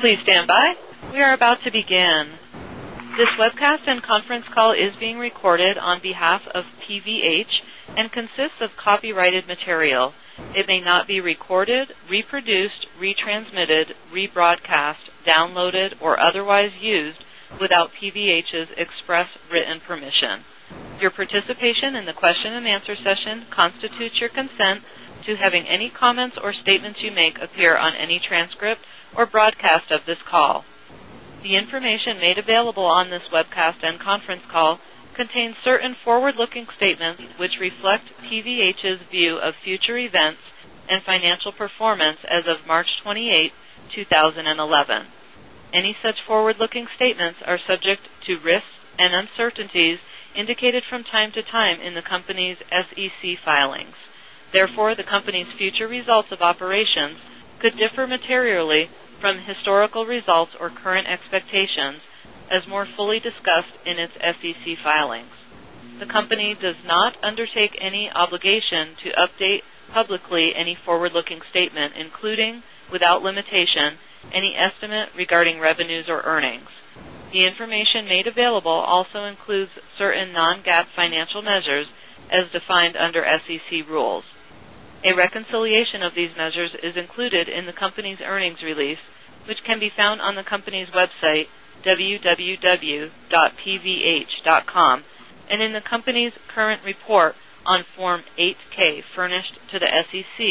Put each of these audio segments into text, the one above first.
Please standby. We are about to begin. This webcast and conference call is being recorded on behalf of PVH and consists of copyrighted copyrighted material. It may not be recorded, reproduced, retransmitted, rebroadcast, downloaded or otherwise used without PVH's express written permission. Your participation in the question and answer session constitutes your consent to having any comments or statements you make appear on any transcript or broadcast of this call. The information made available on this webcast and conference call contains certain forward looking statements, which reflect PVH's view of future events and financial performance as of March 28, 2011. Any such forward looking statements are subject to risks and uncertainties indicated from time to time in the company's SEC filings. Therefore, the company's future results of operations could differ materially from historical results or current expectations as more fully discussed in its SEC filings. The company does not undertake any obligation to update publicly information made available also includes certain non GAAP financial measures as defined under SEC rules. A reconciliation of these measures is included in the company's earnings release, which can be found on the company's website, ww w.pvh.com, and in the company's current report on Form 8 ks furnished to the SEC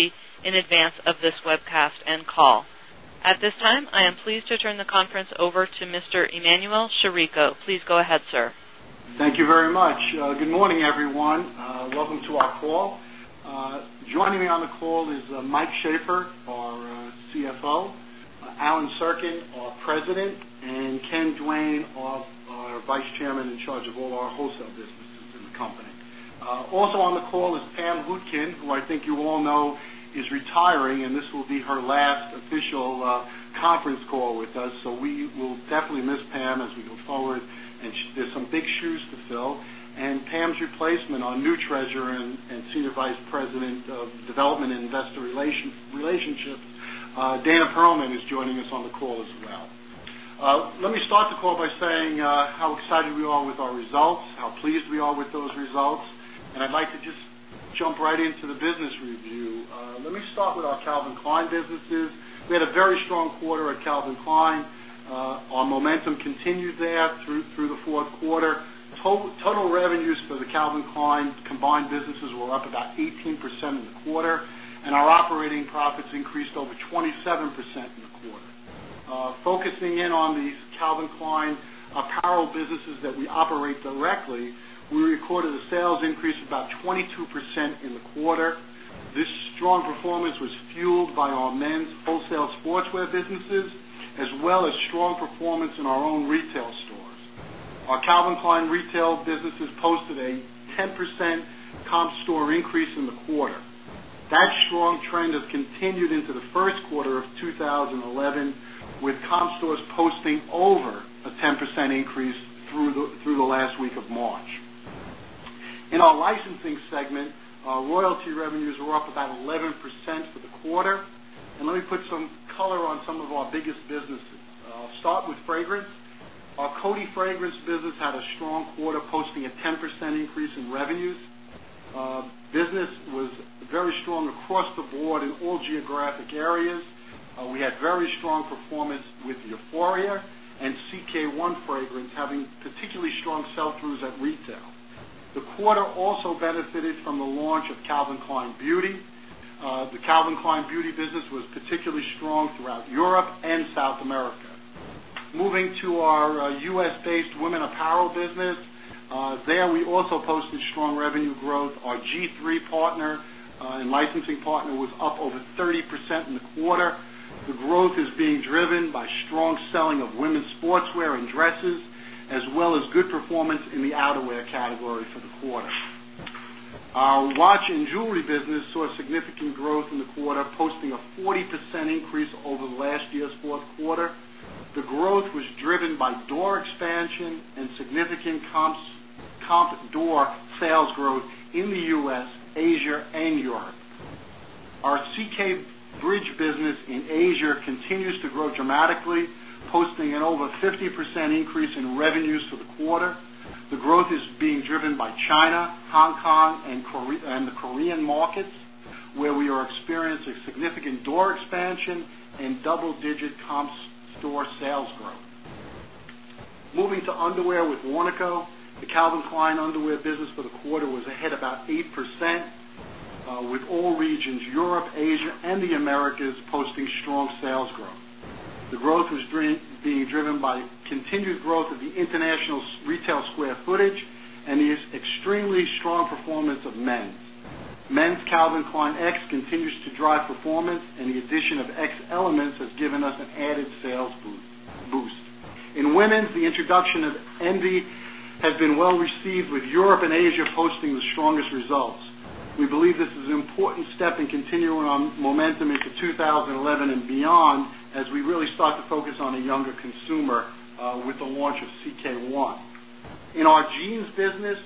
in advance of this webcast and call. At this time, I am pleased to turn the conference over to Mr. Emmanuel Chirico. Please go ahead, sir. Thank you very much. Good morning, everyone. Welcome to our call. Joining me on the call is Mike Schaeffer, our CFO Alan Serkin, our President and Ken Duane, our Vice Chairman in charge of all our wholesale businesses in the company. Also on the call is Pam Hootkin, who I think you all know is retiring and this will be her last official conference call with us. So we will definitely miss Pam as we go forward and there's some big shoes to fill. And Pam's replacement on new Treasurer and Senior Vice President of Development and Investor Relationships, Dana Perlman is joining us on the call as well. Let me start the call by saying how excited we are with our results, how pleased we are with those results. And I'd like to just jump right into the business review. Let me start with our Calvin Klein businesses. We had a very strong quarter at Calvin Klein. Our Our momentum continues there through the Q4. Total revenues for the Calvin Klein combined businesses were up about 18% in the quarter and our operating profits increased over 27% in the quarter. Focusing in on these Calvin Klein apparel businesses that we operate directly, we recorded a sales increase about 22% in the quarter. This strong performance was fueled by our men's wholesale sportswear businesses as well as strong performance in our own retail stores. Our Calvin Klein retail businesses posted a 10% comp store increase in the quarter. That strong trend has continued into the Q1 of 2011 with comp stores posting over a 10% increase through the last week of March. In our licensing segment, our royalty revenues were up about 11% for the quarter. And let me put some color on some of our biggest businesses. I'll start with fragrance. Our Coty fragrance business had a strong quarter posting a 10% increase in revenues. Business was very strong across the board in all geographic areas. We had very strong performance with Euphoria and CK1 fragrance having particularly strong sell throughs at retail. The quarter also benefited from the launch of Calvin Klein Beauty. The Calvin Klein Beauty business was particularly strong throughout Europe and South America. Moving to our U. S.-based women apparel business, there we also posted strong revenue growth. Our G3 partner and licensing partner was up growth. Our G3 partner and licensing partner was up over 30% in the quarter. The growth is being driven by strong selling of women's sportswear and dresses as well as good performance in the outerwear category for the quarter. Our watch and jewelry business saw significant growth in the quarter posting a 40% increase over last year's Q4. The growth was driven by door expansion and significant comp door sales growth in the U. S, Asia and Europe. Our Seekay Bridge business in Asia continues to grow dramatically posting an over 50% increase in revenues for the quarter. The growth is being driven by China, Hong Kong and the Korean markets where we are experiencing a significant door expansion and double digit comp store sales growth. Moving to underwear with Wanaco, the Calvin Klein underwear business for the quarter was ahead about 8% with all regions Europe, Asia and the Americas posting strong sales growth. The growth was being driven by continued growth of the international retail square footage and the extremely strong performance of men's. Men's Calvin Klein continues to drive performance and the addition of X Elements has given us an added sales boost. In women's, the introduction of ENVEY has been well received with Europe and Asia posting the strongest results. We believe this is an important step in continuing our momentum into 2011 and beyond as we really start to focus on a younger consumer with the launch of CK1. In our jeans business,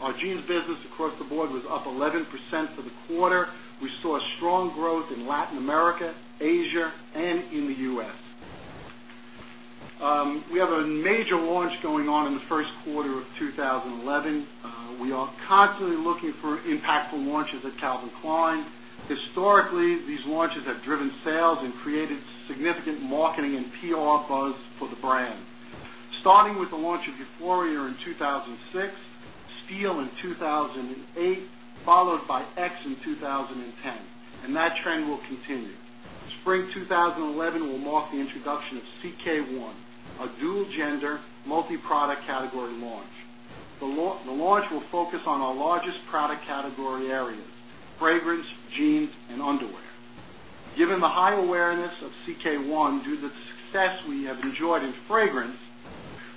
our jeans business across the board was up 11% for the quarter. We saw strong growth in Latin America, Asia and in the U. S. We have a major launch going on in the Q1 of 2011. We are constantly looking for impactful launches at Calvin Klein. Historically, these launches have driven sales and created significant marketing and PR buzz for the brand. Starting with the launch of euphoria in 2,006, steel in 2,008 followed by X in 2010 and that trend will continue. Spring 2011 will mark the introduction of CK1, a dual gender multi product category launch. The launch will focus on our largest product category areas, fragrance, jeans and underwear. Given the high awareness of CK1 due to the success we have enjoyed in fragrance,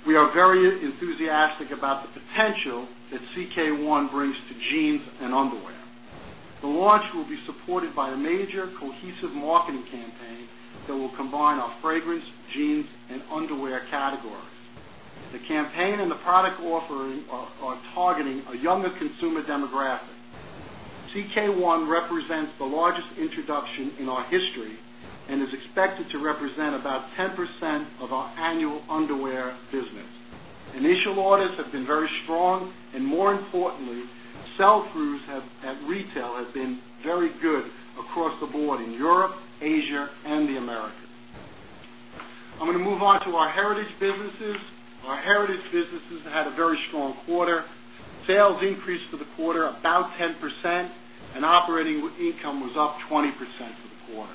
we are very enthusiastic about the potential that CK1 1 brings to jeans and underwear. The launch will be supported by a major cohesive marketing campaign that will combine our fragrance, jeans and underwear category. The campaign and the product offering are targeting a younger consumer demographic. CK1 represents the largest introduction in our history and is expected to represent about 10% of our annual underwear business. Initial orders have been very and more importantly sell throughs at retail has been very good across the board in Europe, Asia and the Americas. I'm going to move on to our heritage businesses. Our heritage businesses had a very strong quarter. Our heritage businesses had a very strong quarter, sales increased for the quarter about 10% and operating income was up 20% for the quarter.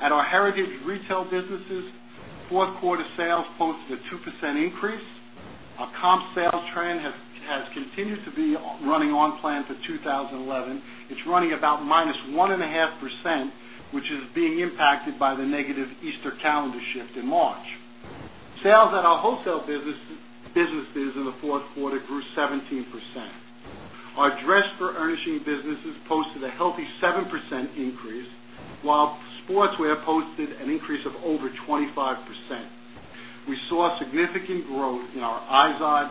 At our heritage retail businesses, 4th quarter sales posted a 2% increase. Our comp sales trend has continued to be running plan for 2011, it's running about minus 1.5%, which is being impacted by the negative Easter calendar shift in March. Sales at our wholesale businesses in the 4th quarter grew 17%. Our dress for earnings businesses posted a healthy 7% increase, while sportswear posted an increase of over 25%. We saw significant growth in our is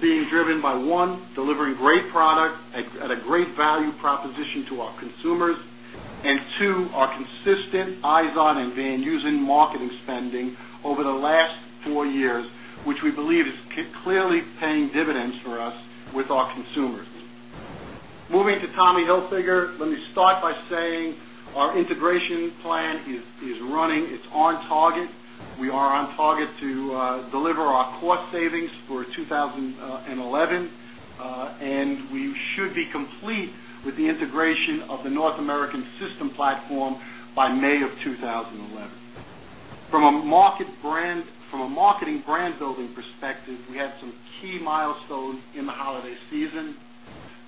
being driven by 1, delivering great product at a great value proposition to our consumers and 2, our consistent eyes on and venues in marketing spending over the last 4 years, which we believe is clearly paying dividends for us with our consumers. Moving to Tommy Hilfiger, let me start by saying our integration plan is running, it's on target. We are on target to 2011 and we should be complete with the integration of the North American system platform by May of 2011. From a marketing brand building perspective, we had some key milestones in the holiday season.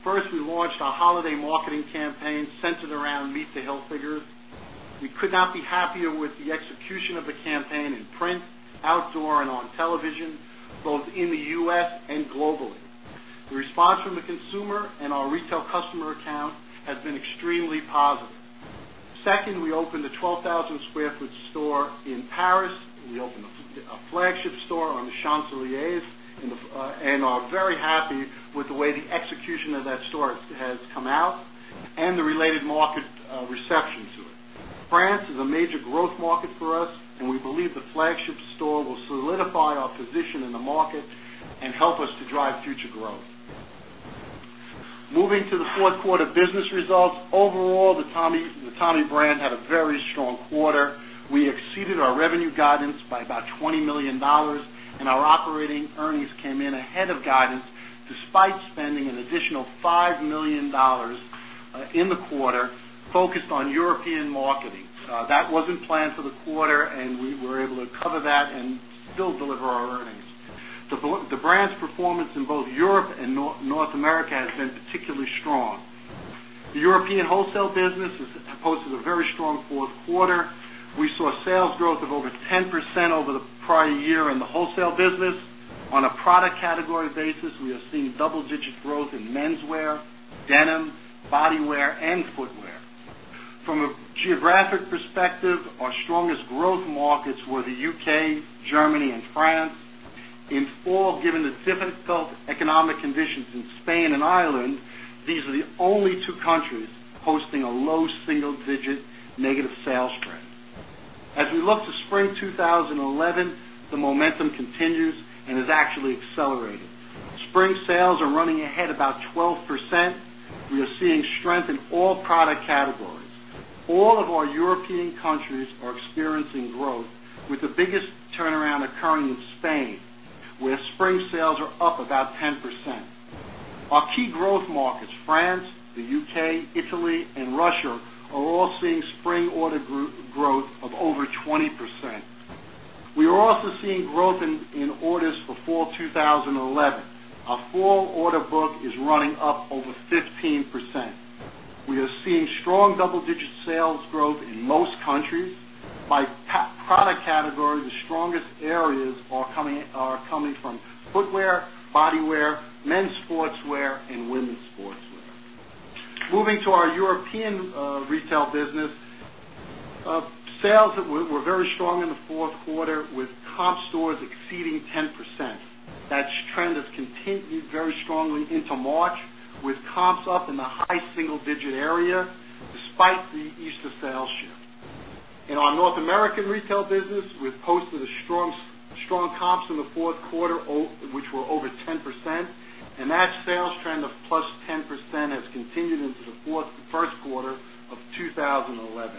1st, we launched our holiday marketing campaign centered around Meet the Hill figures. We could not be happier with the execution of the campaign in print, outdoor and on television, both in the U. S. And globally. The response from the consumer and our retail customer account has been extremely positive. 2nd, we opened a 12,000 square foot store in Paris. We opened a flagship store on the Champs Elysees and are very happy with the way the execution of that store has come out and the related market reception to it. France is a major growth market for us and we believe the flagship store will solidify our position in the market and help us to drive future growth. Moving to the Q4 business results, overall the Tommy brand had a very strong quarter. We exceeded our revenue guidance by about $20,000,000 and our operating earnings came in ahead of guidance despite spending an additional $5,000,000 in the quarter focused on European marketing. That wasn't planned for the quarter and we were able to cover that and still deliver our earnings. The brand's performance in both Europe and North America has been particularly strong. The European wholesale business has posted very strong Q4. We saw sales growth of over 10% over the prior year in the wholesale business. On a product category basis, we are seeing double digit growth in menswear, denim, body wear and footwear. From a geographic perspective, our strongest growth markets were the UK, Germany and France. In fall, given the difficult economic conditions in Spain and Ireland, these are the only 2 countries hosting a low single digit single digit negative sales trend. As we look to spring 2011, the momentum continues and is actually accelerated. Spring sales are running ahead about 12%. We are seeing strength in all product categories. All of our European countries are experiencing growth with the biggest turnaround occurring in Spain, where spring sales are up about 10%. Our key growth markets, France, the UK, Italy and Russia are all seeing spring order growth of over 20%. We are also seeing growth in orders for fall 2011. Our full order book is running up over 15%. We are seeing strong double digit sales growth in most countries. By product category, the strongest areas are coming from footwear, body wear, men's sportswear and women's sportswear. Moving to our European retail business, sales were very strong in the Q4 with comp stores exceeding 10%. That trend has continued very strongly into March with comps up in the high single digit area despite the Easter sales shift. In our North American retail business, we've posted a strong comps in the 4th quarter, which were over 10% and that sales trend of plus 10% has continued into the Q1 of 2011.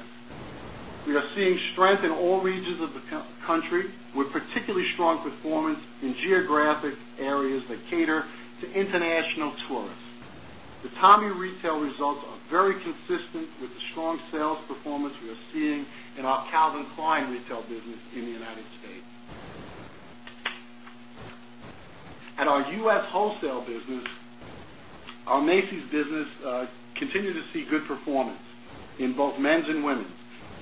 We are seeing strength in all regions of the country with particularly strong performance in geographic areas that cater to international tourists. The Tommy retail results are very consistent with the strong sales performance we are seeing in our Calvin Klein retail business in the United States. At our U. S. Wholesale business, our Macy's business continued to see good performance in both men's and women's.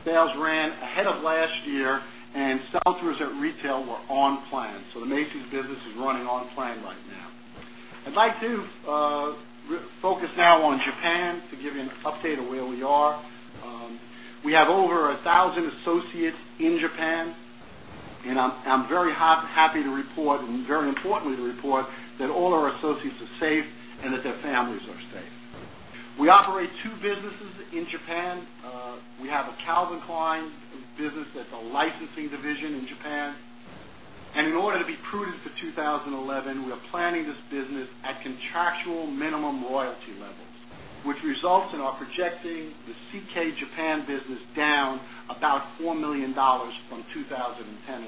Sales ran ahead of last year and sell throughs at retail were on plan. So the Macy's business is running on plan right now. I'd like to focus now on Japan to give you an update of where we are. We have over 1,000 associates in Japan and I'm very happy to report and very importantly that all our associates are safe and that their families are safe. We operate 2 businesses in Japan. We have a Calvin Klein business that's a licensing division in Japan. And in order to be prudent for 2011, we are planning this business at contractual minimum royalty levels, which results in our projecting the CK Japan business down about $4,000,000 from 20.10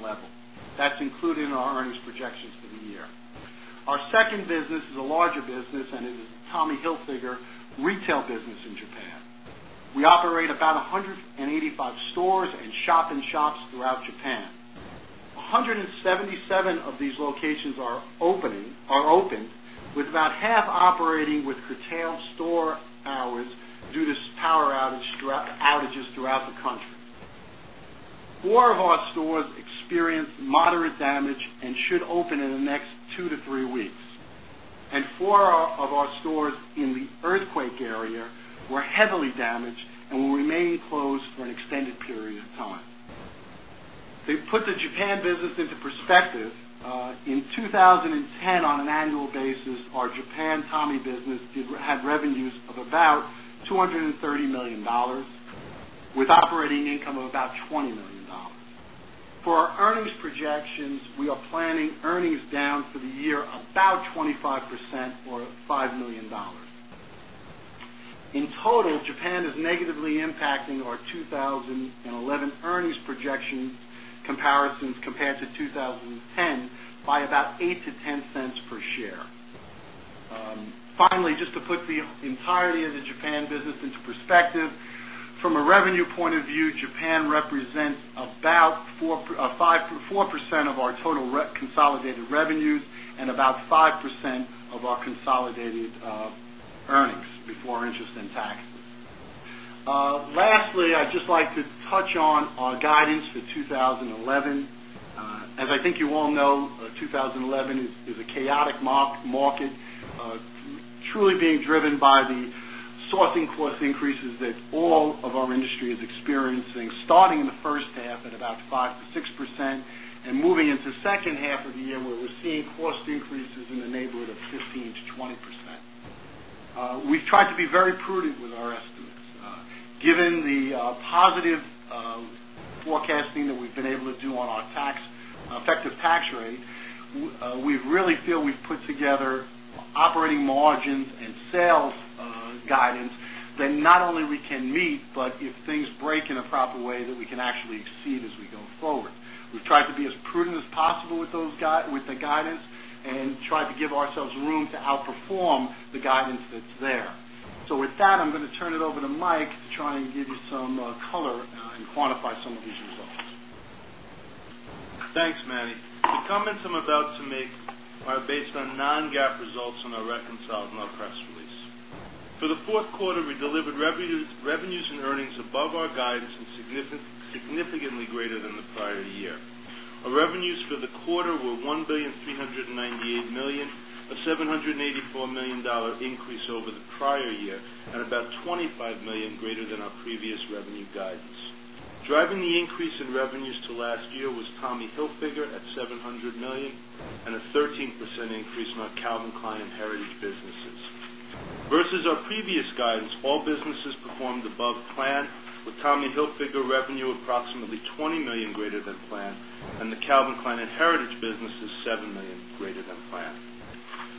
level. That's 10 level. That's included in our earnings projections for the year. Our second business is a larger business and it is Tommy Hilfiger retail business in Japan. We operate about 185 stores and shop in shops throughout Japan. 177 of these locations are opened with about half operating with curtailed store hours due to power outages throughout the country. 4 of our stores experienced moderate damage and should open in the next 2 to 3 weeks. And 4 of our stores in the earthquake area were heavily damaged and will remain closed for an extended period of time. They put the Japan business into perspective. In 2010 on an annual basis, our Japan Tommy business had revenues of about $230,000,000 with operating income of about $20,000,000 For our earnings projections, we are planning earnings down for the year about 20 our earnings projections, we are planning earnings down for the year about 25 percent or $5,000,000 In total, Japan is negatively impacting our 2011 earnings projections comparisons compared to 20 10 by about $0.08 to $0.10 per share. Finally, just to put the entirety of the Japan business into perspective, from a revenue point of view, Japan represents about 4% of our total consolidated revenues and about 5% of our consolidated earnings before interest and taxes. Lastly, I'd just like to touch on our guidance for 2011. As I think you all know, 2011 is a chaotic market, truly being driven by the sourcing cost increases that all of our industry is experiencing starting in the first half at about 5% to 6 percent and moving into second half of the year where we're seeing cost increases in the neighborhood of 15% to 20%. We've tried to be very prudent with our estimates. Given the positive forecasting that we've been able to do on our effective tax rate, we really feel we've put together operating margins and sales guidance that not only we can meet, but if things break in a proper way that we can actually exceed as we go forward. We've tried to be as prudent as possible with the guidance and try to give ourselves room to outperform the guidance that's there. So with that, I'm going to turn it over to Mike to try and give you some color and quantify some of these results. Thanks, Manny. We're coming some of these results. Thanks, Manny. The comments I'm about to make are based on non GAAP results and are reconciled in our press release. For the Q4, we delivered revenues and earnings above our guidance and significantly than the prior year. Our revenues for the quarter were $1,398,000,000 a $784,000,000 increase over the prior year and about $25,000,000 greater than our previous revenue guidance. Driving the increase in revenues to last year was Tommy Hilfiger at $700,000,000 and a 13% increase in our Calvin Klein heritage businesses. Versus our previous guidance, all businesses performed above plan with Tommy Hilfiger revenue approximately $20,000,000 greater than planned and the Calvin Klein and Heritage business is $7,000,000 greater than planned.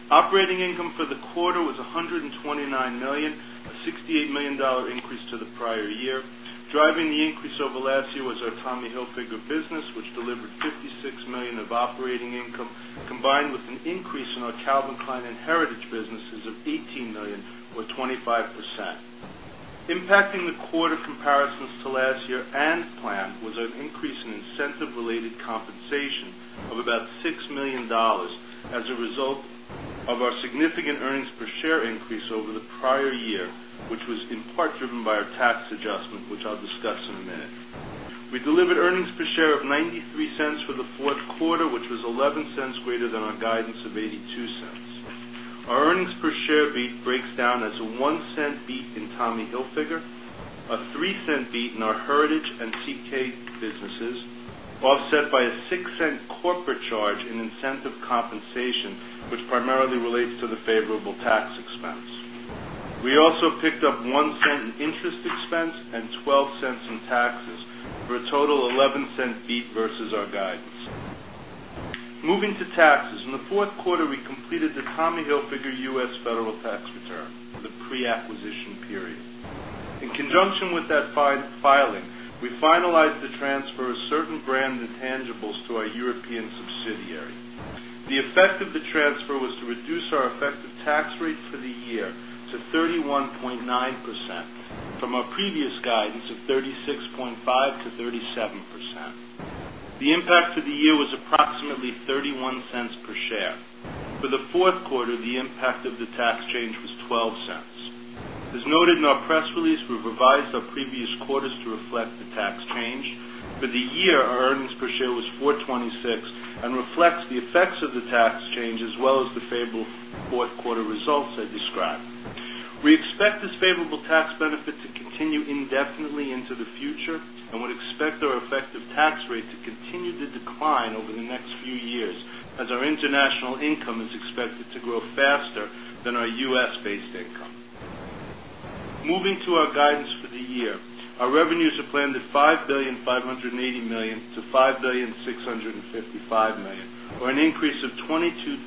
Operating income for the quarter was $129,000,000 a $68,000,000 increase to the prior year. Driving the increase over last year was our Tommy Hilfiger business, which delivered $56,000,000 of operating income combined with an increase in our Calvin Klein and Heritage businesses of $18,000,000 or 25%. Impacting the quarter comparisons to last year and plan was an increase in incentive related compensation of about $6,000,000 as a result of our significant earnings per share increase over the prior year, which was in part driven by our tax adjustment, which I'll discuss in a minute. We delivered earnings per share of $0.93 for the 4th quarter, which was $0.11 greater than our guidance of $0.82 Our earnings per share beat breaks down as a 0 point 0 $1 beat in Tommy Hilfiger, a 0 point $1 beat in Tommy Hilfiger, a $0.03 beat in our heritage and CK businesses, offset by a $0.06 corporate charge in incentive compensation, which primarily relates to the favorable tax expense. We also picked up 0 point 1 0 point 0 $1 in interest expense and $0.12 in taxes for a total of $0.11 beat versus our guidance. Moving to taxes. In the Q4, we completed the Tommy Hilfiger federal tax return for the pre acquisition period. In conjunction with that filing, we finalized the transfer of certain brand intangibles to our European subsidiary. The effect of the transfer was to reduce our effective tax rate for the to 31.9 percent from our previous guidance of 36.5% to 37%. The impact for the year was approximately $0.31 per share. For the Q4, the impact of the tax change was $0.12 As noted in our press release, we've revised our previous quarters to reflect the tax change. For the year, our earnings per share was 4.2 $6 and reflects the effects of the tax change as well as the favorable 4th quarter results I described. We expect this favorable tax benefit to continue indefinitely into the future and would expect our effective tax rate to continue to decline over the next few years as our international income is expected to grow faster than our U. S. Based income. Moving to our guidance for the year. Our revenues are planned at 5.5 $1,000,000,000 to $5,655,000,000 or an increase of 20%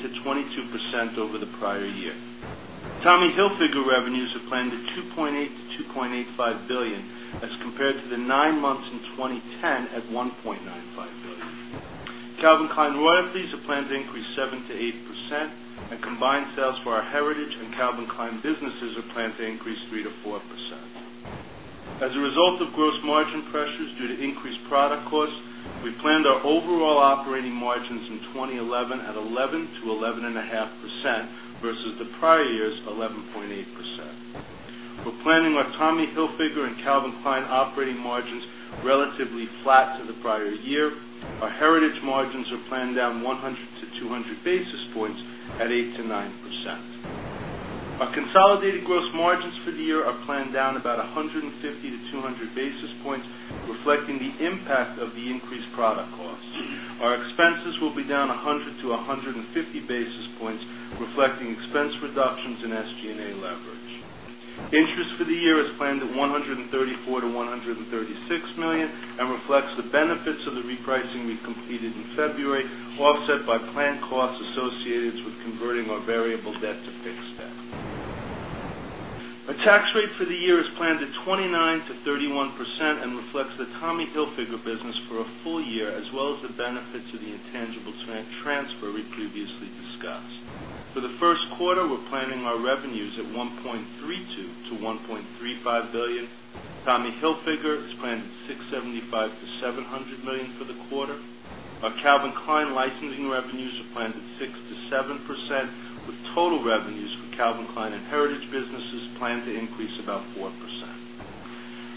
to 22% over the prior year. Tommy Hilfiger revenues are planned at $2,800,000,000 to $2,850,000,000 as compared to the 9 months in 2010 at $1,950,000,000 Calvin Klein royalties are planned to increase 7% to 8% and combined sales for our heritage and Calvin Klein businesses are planned to increase 3% to 4%. As a result of gross margin pressures due to increased product costs, we planned our overall operating margins in 2011 at 11% to 11.5% versus the prior year's 11.8%. We're planning our Tommy Hilfiger and Calvin Klein operating margins relatively flat to the prior year. Our heritage margins are planned down 100 to 200 basis points at 8% to 9%. Our consolidated gross margins for the year are planned down about 150 basis points to 200 basis points, reflecting the impact of the increased product costs. Our expenses will be down 100 basis points to 150 basis points, reflecting expense reductions in SG and A leverage. Interest for the year is planned at 100 and $34,000,000 to $136,000,000 and reflects the benefits of the repricing we completed in February, offset by planned costs associated with converting our variable debt to fixed debt. Our tax rate for the year is planned at 29% to 31% and reflects the Tommy Hilfiger business for a full year as well as the benefits of the intangibles transfer we previously discussed. For the Q1, we're planning our revenues at $1,320,000,000 to $1,350,000,000 Tommy Hilfiger is planned at $675,000,000 to $700,000,000 for the quarter. Our Calvin Klein licensing revenues are planned at 6% to 7%, with total revenues for Calvin Klein and Heritage Businesses planned to increase about 4%.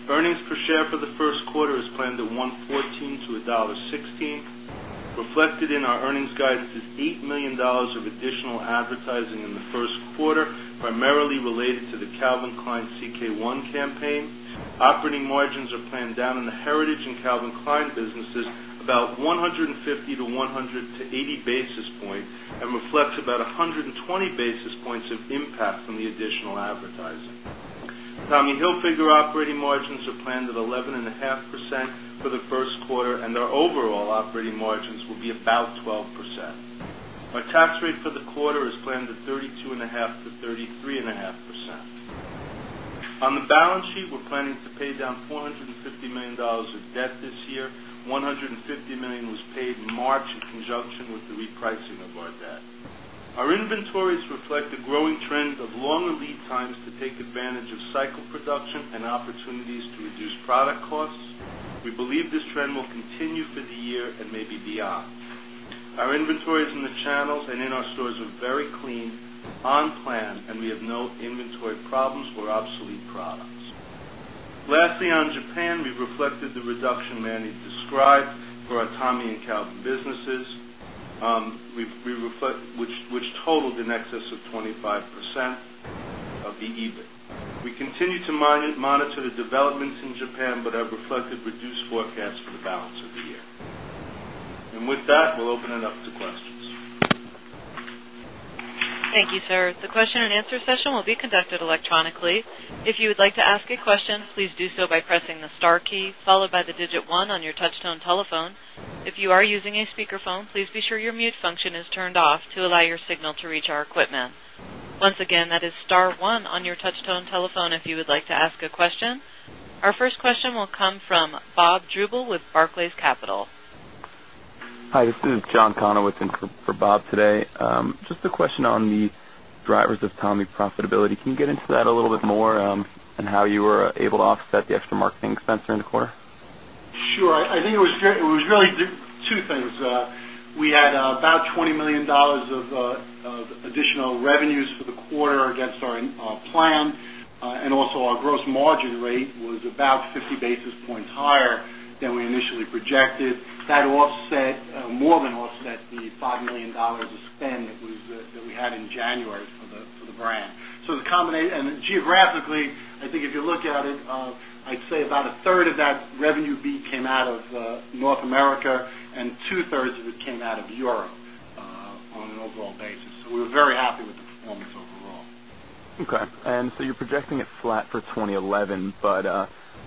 Earnings per share for the Q1 is planned at $1.14 to $1.16 Reflected in our earnings guidance is $8,000,000 of additional advertising in the first quarter, primarily related to the Calvin Klein CK1 campaign. Operating margins are planned down in the Heritage and Calvin Klein businesses about 150 to 100 to 80 basis points and reflects about 120 basis points of impact from the additional advertising. Tommy Hilfiger operating margins are planned at 11.5% for the Q1 and our overall operating margins will be about 12%. Our tax rate for the quarter is planned at 32.5% to 33.5%. On the balance sheet, we're planning to pay down $450,000,000 of debt this year, million was paid in March in conjunction with the repricing of our debt. Our inventories reflect a growing trend of longer lead times to take advantage of cycle production and opportunities to reduce product costs. We believe this trend will continue for the year and maybe beyond. Our inventories in the channels and in our stores are very clean, on plan and we have no inventory problems for obsolete products. Lastly, on Japan, we reflected the reduction Manny described for our Tommy and Calvin businesses, which totaled in excess of 25% of the EBIT. We continue to monitor the developments in Japan, but have reflected reduced forecast for the balance of the year. And with that, we'll open it up to questions. Thank you, sir. The question and answer session will be conducted electronically. Our first question will come from Bob Drbul with Barclays Capital. Hi, this is John Connor with in for Bob today. Just a question on the drivers of Tommy profitability. Can you get into that a little bit more and how you were able to offset the extra marketing expense during the quarter? Sure. I think it was really 2 things. We had about $20,000,000 of additional revenues for the quarter against our plan and also our gross margin rate was about 50 basis points higher than we initially projected. That offset more than offset the $5,000,000 of spend that we had in January for the brand. So the and geographically, I think if you look at it, I'd say about a third of that revenue beat came out of North America and 2 thirds of it came out of Europe on an overall basis. So we were very happy with the performance overall. Okay. And so you're projecting it flat for 2011, but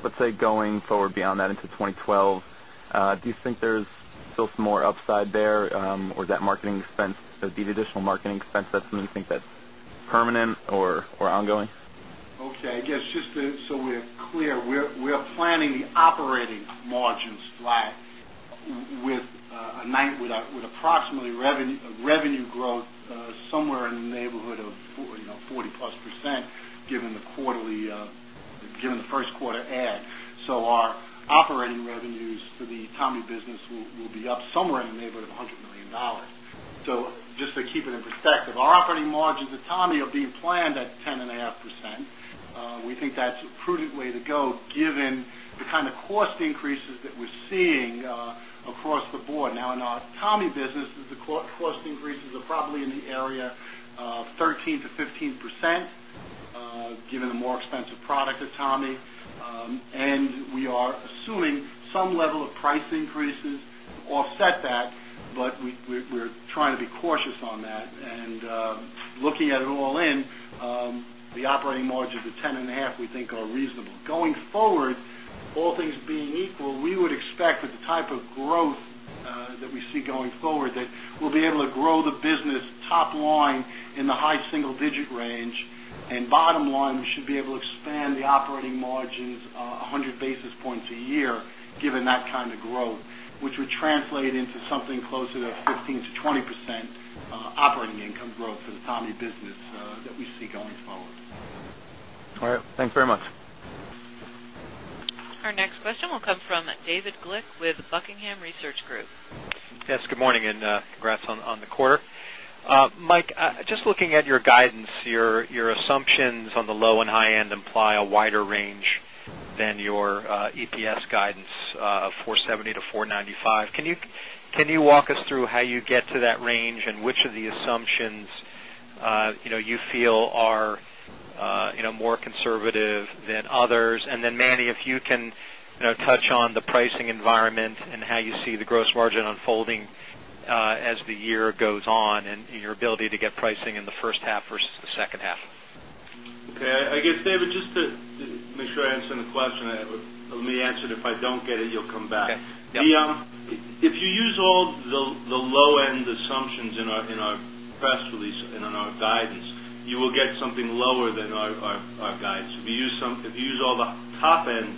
let's say going forward beyond that into 2012, do you think there's still some more upside there or that marketing expense, there would be additional marketing expense that's something you think that's permanent or ongoing? Okay. I guess just so we're clear, we are neighborhood of 40 plus percent given the quarterly given the Q1 add. So our operating revenues for the Tommy business will be up somewhere in the neighborhood of $100,000,000 So just to keep it in perspective, our operating margins at Tommy are being planned at 10.5%. We cost increases are probably in the area cost increases are probably in the area of 13% to 15%, given the more expensive product at Tommy. And we are assuming some level of price increases offset that, but we're trying to be cautious on that. And looking at it all in, the operating margin of 10.5% we think are reasonable. Going forward, all things being equal, we would expect that the type of growth that we see going forward that we'll be able to grow the business top line in the high single digit range and by the Tommy business that we see going forward. Okay. And then just a follow-up on the growth for the Tommy business that we see going forward. Our next question will come from David Glick with Buckingham Research Group. Mike, just looking at your guidance, your assumptions on the low and high end imply a wider range than your EPS guidance of $4.70 to $4.95 Can you walk us through how you get to that range and which of the assumptions you feel are more conservative than others? And then Manny, if you can touch on the pricing environment and how you see the gross margin unfolding as the year goes on and your ability to get pricing in the first half versus the second half? Okay. I guess, David, just to make sure I answer the question, let me answer it. If I don't get it, you'll come back. If you use all the low end assumptions in our press release and in our guidance, you will get something lower than our guidance. If you use some if you use all the top end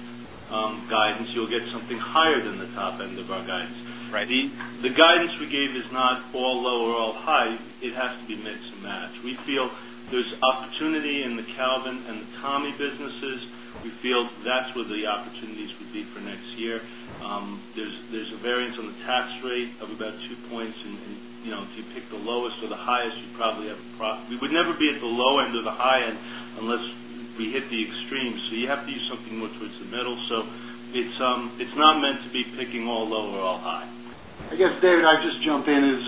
guidance, you'll get something higher than the top end of our guidance. The guidance we gave is not all lower or high, it has to be mix and match. We feel there's opportunity in the Calvin and Tommy businesses. We feel that's where the opportunities would be for next year. There's a variance on the tax rate of about 2 points and if you pick the lowest or the highest, you probably have a profit. We would never be at the low end or the high end unless we hit the extremes. So you have to use something more towards the middle. So it's not meant to be picking all lower or high. I guess, David, I just jump in is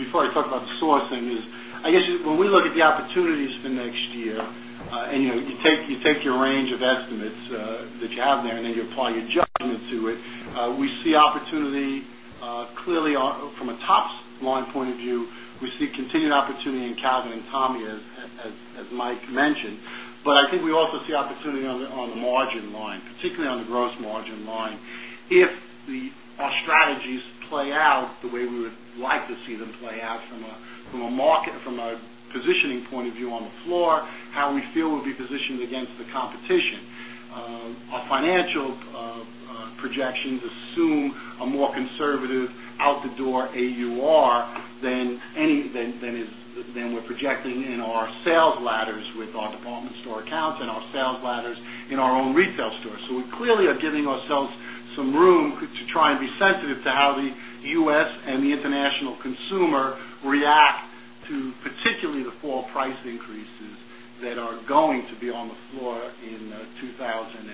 before I talk about sourcing is, I guess, when we look at the opportunities for next year and you take your range of estimates that you have there and then you apply your judgment it, we see opportunity clearly from a top line point of view. We see continued opportunity in Calvin and Tommy as Mike mentioned. But I think we also see opportunity on the margin line, particularly on the gross margin line. If the our strategies play out the way we would like to see them play out from a market from a positioning point of view on the floor, how we feel will be positioned against the competition. Our financial projections assume a more conservative out the door AUR than any than we're projecting in our sales ladders with our department store accounts and our sales ladders in our own retail stores. So we clearly are giving ourselves some room to try and be sensitive to how the U. S. And the international consumer react to particularly the fall price increases that are going to be on the floor in 2,000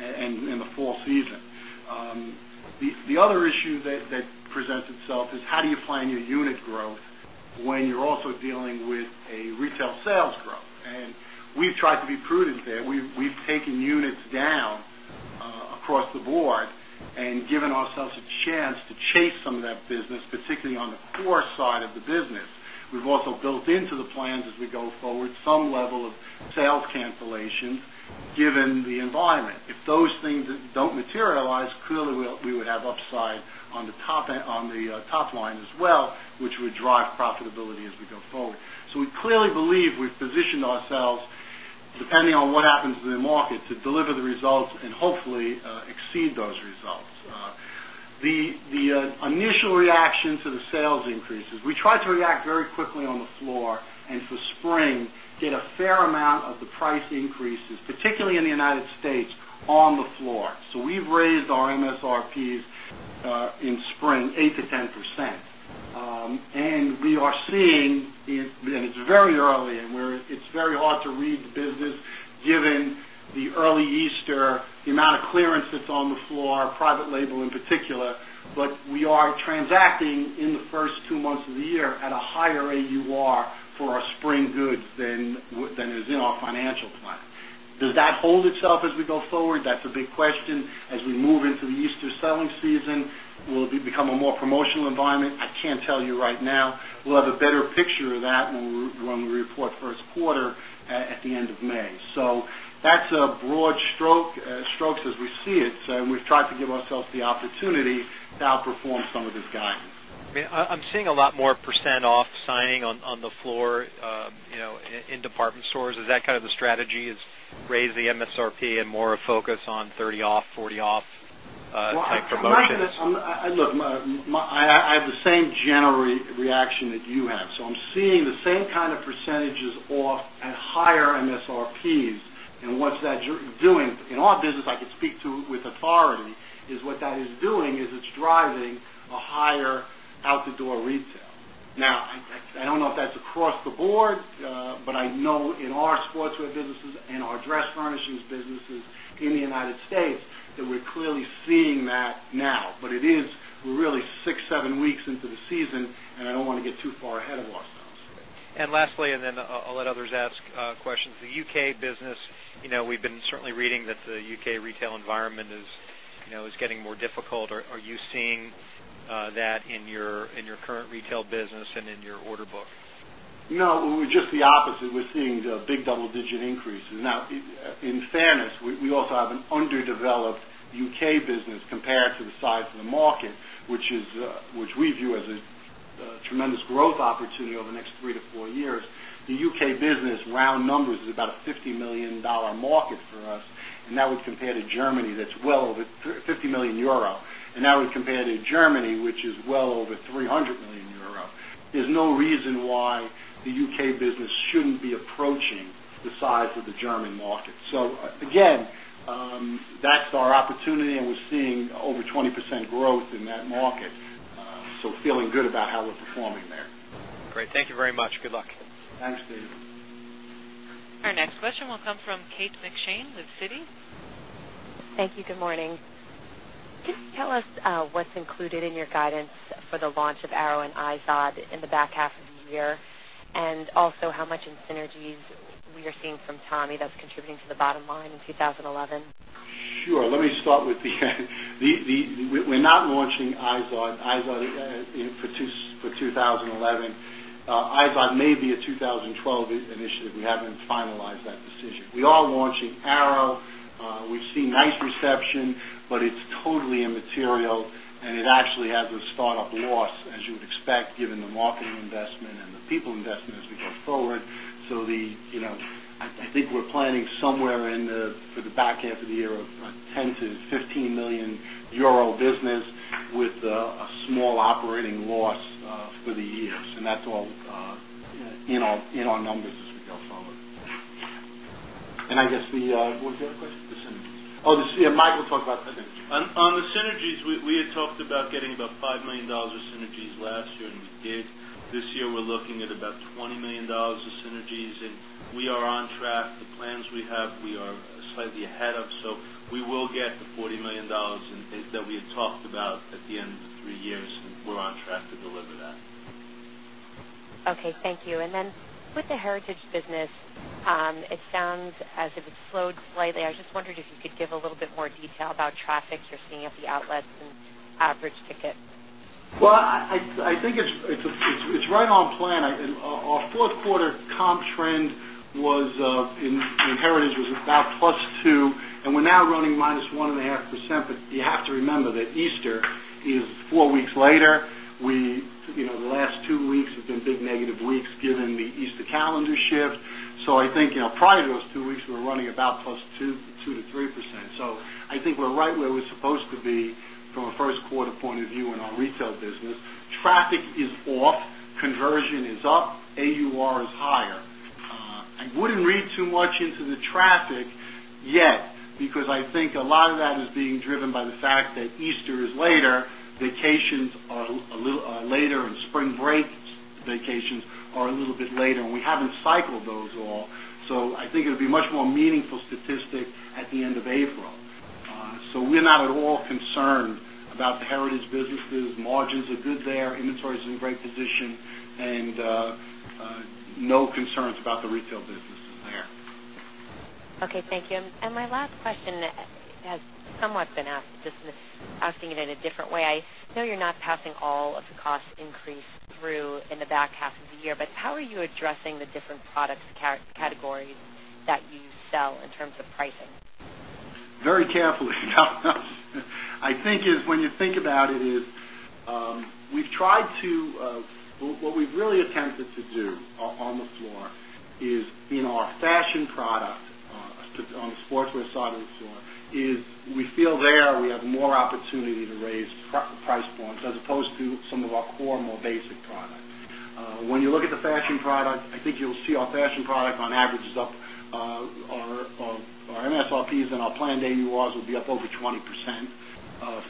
and in the fall season. The other issue that presents itself is how do you plan your unit growth when you're also dealing with a retail sales growth. And we've tried to be prudent there. We've taken units down across the board and given ourselves a chance to chase some of that business, particularly on the core side of the business. We've also built into the plans as we go forward some level of sales cancellations given the environment. If those things don't materialize, clearly, we would have upside on the top line as well, which would drive profitability as we go forward. So we clearly believe we've positioned ourselves depending on what happens in the market to deliver the results and hopefully exceed those results. The initial reaction to the sales increases, we tried to react very quickly on the floor and for spring, did a fair amount of the price increases, particularly in the United States on the floor. So we've raised our MSRPs in spring 8% to 10%. And we are seeing it's very early and it's very hard to read the business given the early Easter, the amount of clearance that's on the floor, private label in particular, but we are transacting in the 1st 2 months of the year at a higher AUR for our spring goods than is in our financial plan. Does that hold itself as we go forward? That's a big question. As we move into the Easter selling season, will it become a more promotional environment? I can't tell you right now. We'll have a better picture of that when we report Q1 at the end of May. So that's a broad strokes as we see it. So we've tried to give ourselves the opportunity to outperform some of this guidance. I'm seeing a lot more percent off signing on the floor in department stores. Is that kind of the strategy is raise the MSRP and more focus on 30 off, 40 off? Look, I have the same general reaction that you have. So I'm seeing the same kind of percentages off at higher MSRPs and what's that doing in our business, I could speak to with authority is what that is doing is it's driving a higher out the door retail. Now, I think that's the door retail. Now, I don't know if that's across the board, but I know in our sportswear businesses and our dress furnishings businesses in the United States that we're clearly seeing that now. But it is really 6, 7 weeks into the season and I don't want to get too far ahead of Los Angeles. And lastly and then I'll let others ask questions. The UK business, we've been certainly reading that the UK retail environment is getting more difficult. Are you seeing that in your current retail business and in your order book? No, we're just the opposite. We're seeing the big double digit increases. Now, in fairness, we also have an underdeveloped UK business compared to the size of the market, which developed UK business compared to the size of the market, which is which we view as a tremendous growth opportunity over the next 3 to 4 years. The UK business round numbers is about $50,000,000 market for us and that would compare to Germany that's well over €50,000,000 and that would compare to Germany, which is well over €300,000,000 There's no reason why the UK business shouldn't be approaching the size of the German market. So again, that's our opportunity and we're seeing over 20% growth in that market. So feeling good about how we're performing there. Great. Thank you very much. Good luck. Thanks, Steve. Our next question will come from Kate McShane with Citi. Thank you. Good morning. Can you tell us what's included in your guidance for the launch of ARO and iZOD in the back half of the year? And also how much in synergies we are seeing from Tommy that's contributing to the bottom line in 2011? Sure. Let me start with the we're not launching Izod. Izod for 2011. Izod may be a 2012 initiative. We haven't finalized that decision. We are launching ARO. We've seen nice reception, but it's totally immaterial and it actually has a start up loss as you would expect given the marketing investment and the people investment as we go forward. So the I think we're planning somewhere in the for the back half of the year of €10,000,000 to €15,000,000 business with a small operating loss for the year. So that's all in our numbers as we go forward. And I guess the what's your question? Yes, Michael will talk about synergies. On the synergies, we had talked about getting about $5,000,000 of synergies last year and we did. This year, we're looking at $20,000,000 of synergies and we are on track. The plans we have we are slightly ahead of. So we will get the $40,000,000 that we had talked about at the end of 3 years. We're on track to deliver that. Okay. Thank you. And then with the heritage business, it sounds as if it slowed slightly. I just wondered if you could give a little bit more detail about traffic you're seeing at the outlets and average ticket? Well, I think it's right on plan. Our 4th quarter comp trend was in Heritage was about plus 2% and we're now running minus 1.5%. But you have to remember that Easter is four weeks later. We the last 2 weeks have been big negative weeks given the Easter calendar shift. So I think prior to those 2 weeks, we're running about plus 2% to 3%. So I think we're right where we're supposed to be from a first quarter point of view in our retail business. Traffic is off, conversion is up, AUR is higher. I wouldn't read too much into the traffic yet because I think a lot of that is being driven by the fact that Easter is later, vacations are a little later and spring break vacations. Is later, vacations are a little later and spring break vacations are a little bit later and we haven't cycled those all. So I think it would be much more meaningful statistic at the end of April. So we're not at all concerned about the heritage businesses. Margins are good there. Inventory is in a great position and no concerns about the retail business there. Okay. Thank you. And my last question has somewhat been asked, just asking it in a different way. I know you're not passing all of the cost increase through in the back half of the year, but how are you addressing the different products categories that you sell in terms of pricing? Very carefully. I think is when you think about it is, we've tried to what we've really attempted to do on the floor is in our fashion product on the sportswear side of the floor is we feel there we have more opportunity to raise price points as opposed to some of our core more basic products. When you look at the fashion product, I think you'll see our fashion product on average is up our MSRPs and our planned AVRs would be up over 20%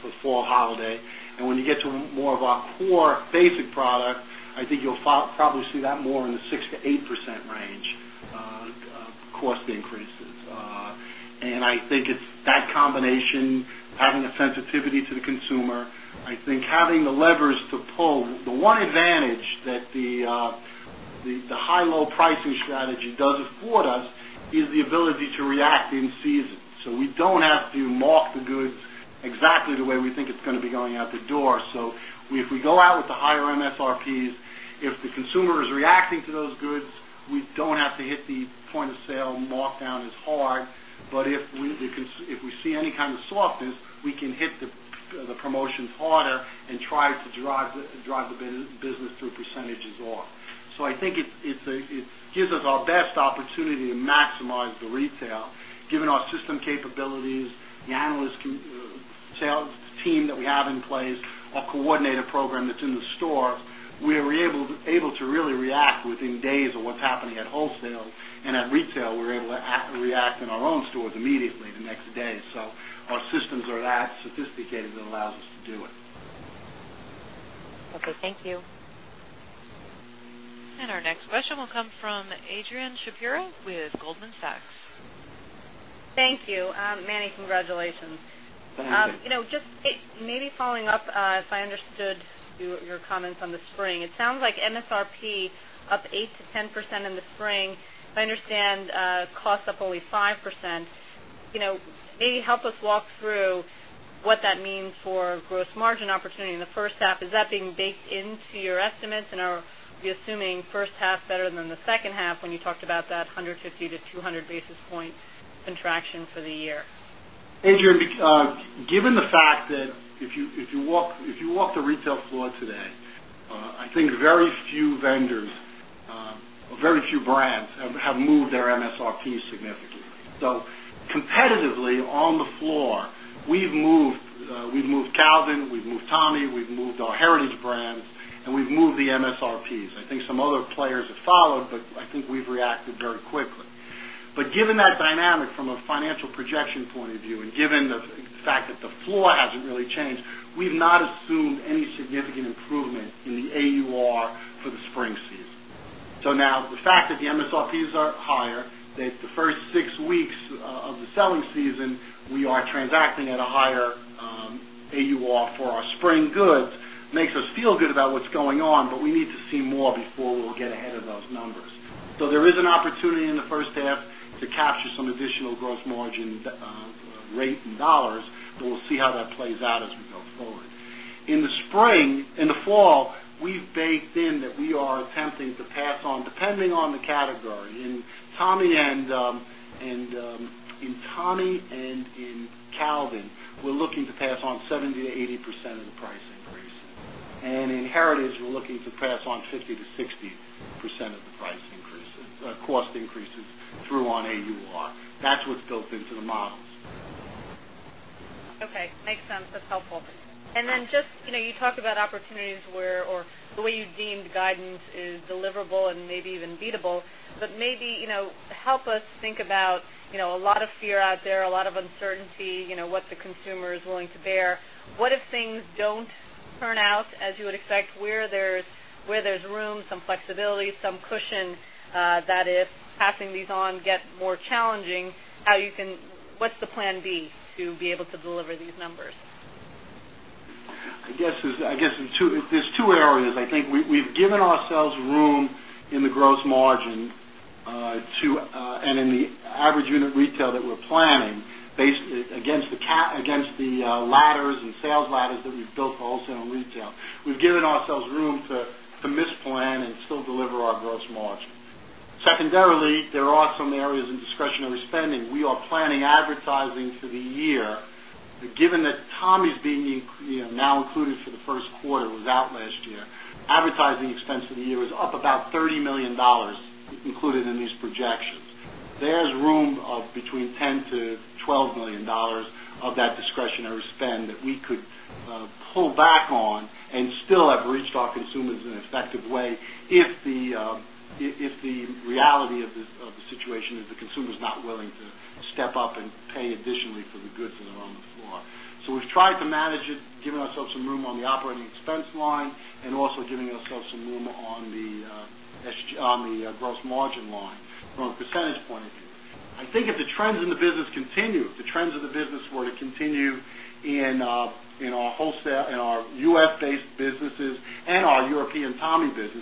for fall holiday. And when you get to more of our core basic product, I think you'll probably see that more in the 6% to 8% range of cost increases. And I think it's that combination having a sensitivity to the consumer. I think don't have to mark don't have to mark the goods exactly the way we think it's going to be going out the door. So if we go out with the higher MSRPs, if the consumer is reacting to those goods, we don't have to hit the point of sale markdown as hard. But if we see any kind of softness, we can hit the promotions harder and try to drive the business through percentages off. So I think it gives us our best opportunity to maximize the retail given our system capabilities, the analyst team that we have in place, our coordinated program that's in the store, we are able to really react within days of what's happening at wholesale and at retail we're able to react in our own stores to at wholesale and at retail we're able to react in our own stores immediately the next day. So our systems are that sophisticated that allows us to do it. Okay. Thank you. And our next question will come from Adrienne Shapiro with Goldman Sachs. Thank you. Manny, congratulations. Just maybe following up, if I understood your comments on the spring, it sounds like MSRP up 8% to 10% in the spring. I understand costs up only 5%. Maybe help us walk through what that means for gross margin opportunity in the first half. Is that being baked into your estimates? And are we assuming first half better than the second half when you talked about that 150 to 200 basis point contraction for the year? Adrian, given the fact that if you walk the retail floor today, I think very few vendors or very few brands have moved their MSRPs significantly. So competitively on the floor, we've moved Calvin, we've moved Tommy, we've moved our heritage brands and we've moved the MSRPs. I think some other players have followed, but I think we've reacted very quickly. But given that dynamic from a financial projection point of view and given the fact that the floor hasn't really changed, we've not assumed any significant improvement in the AUR for the spring season. So now the fact that the MSRPs are higher, the 1st 6 weeks of the selling season, we are transacting at a higher AUR for our spring goods makes us feel good about what's going on, but we need to see more before we'll get ahead of those numbers. So there is an opportunity in the first half to capture some additional gross margin rate in dollars, but we'll see how that plays out as we go forward. In the spring, in the fall, we've baked in that we are attempting to pass on depending on the category in Tommy and in Calvin, we're looking to pass on 70% to 80% of the price increase. And in Heritage, we're looking to pass on 50% to 60% of the price increases cost increases through on AUR. That's what's built into the models. Okay. Makes sense. That's helpful. And then just you talked about opportunities where or the way you deemed guidance is deliverable and maybe even beatable. But maybe help us think about a lot of fear out there, a of fear out there, a lot of uncertainty, what the consumer is willing to bear. What if things don't turn out as you would expect, where there's room, some flexibility, some cushion that if passing these on get more challenging, how you can what's the plan B to be able to deliver these numbers? I guess there's 2 areas. I think we've given ourselves room in the gross margin to and in the average unit retail that we're planning based against the ladders and sales ladders that we've built for wholesale and retail. We've given ourselves room to misplan and still deliver our gross margin. Secondarily, there are some areas in discretionary spending. We are planning advertising for the year given that Tommy's being now included for the Q1 was out last year. Advertising expense for the year was up about $30,000,000 included in these projections. There's room of between $10,000,000 to $12,000,000 of that discretionary spend that we could pull back on and still have reached our consumers in an effective way if the reality of the situation is the consumer is not willing to step up and pay additionally for the goods that are on the floor. So we've tried to manage it, giving ourselves some room on the operating expense line and also giving us some room on the gross margin line from a percentage point of view. I think if the trends in the business continue, if the trends of the business were to continue in our wholesale in our U. S. Based businesses and our European cancellation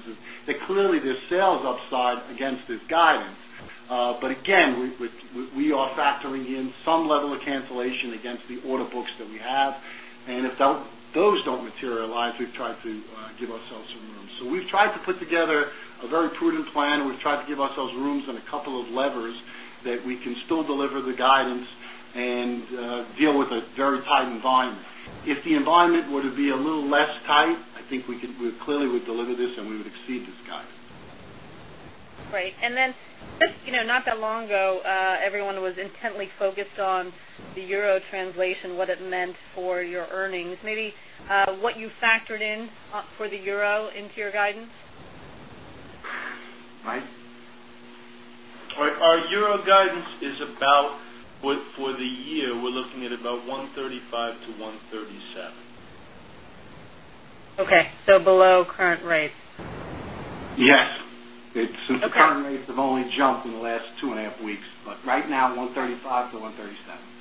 against the order books that we have. And if those don't materialize, we've tried to give ourselves some room. So we've tried to put together a very prudent plan. We've tried to give ourselves rooms on a couple of levers that we can still deliver the guidance and deal with a very tight environment. If the environment were to be a little less tight, I think we could we clearly would deliver this and we would exceed this guidance. Great. And then just not that long ago, everyone was intently focused on the euro translation, what it meant for your earnings. Maybe what you factored in for the euro into your guidance? Mike? Our euro guidance is about for the year, we're looking at about $135,000,000 to $137,000,000 Okay. So below current rates? Yes. It's since the current rates have only jumped in the last 2.5 weeks, but right now $135,000,000 to $137,000,000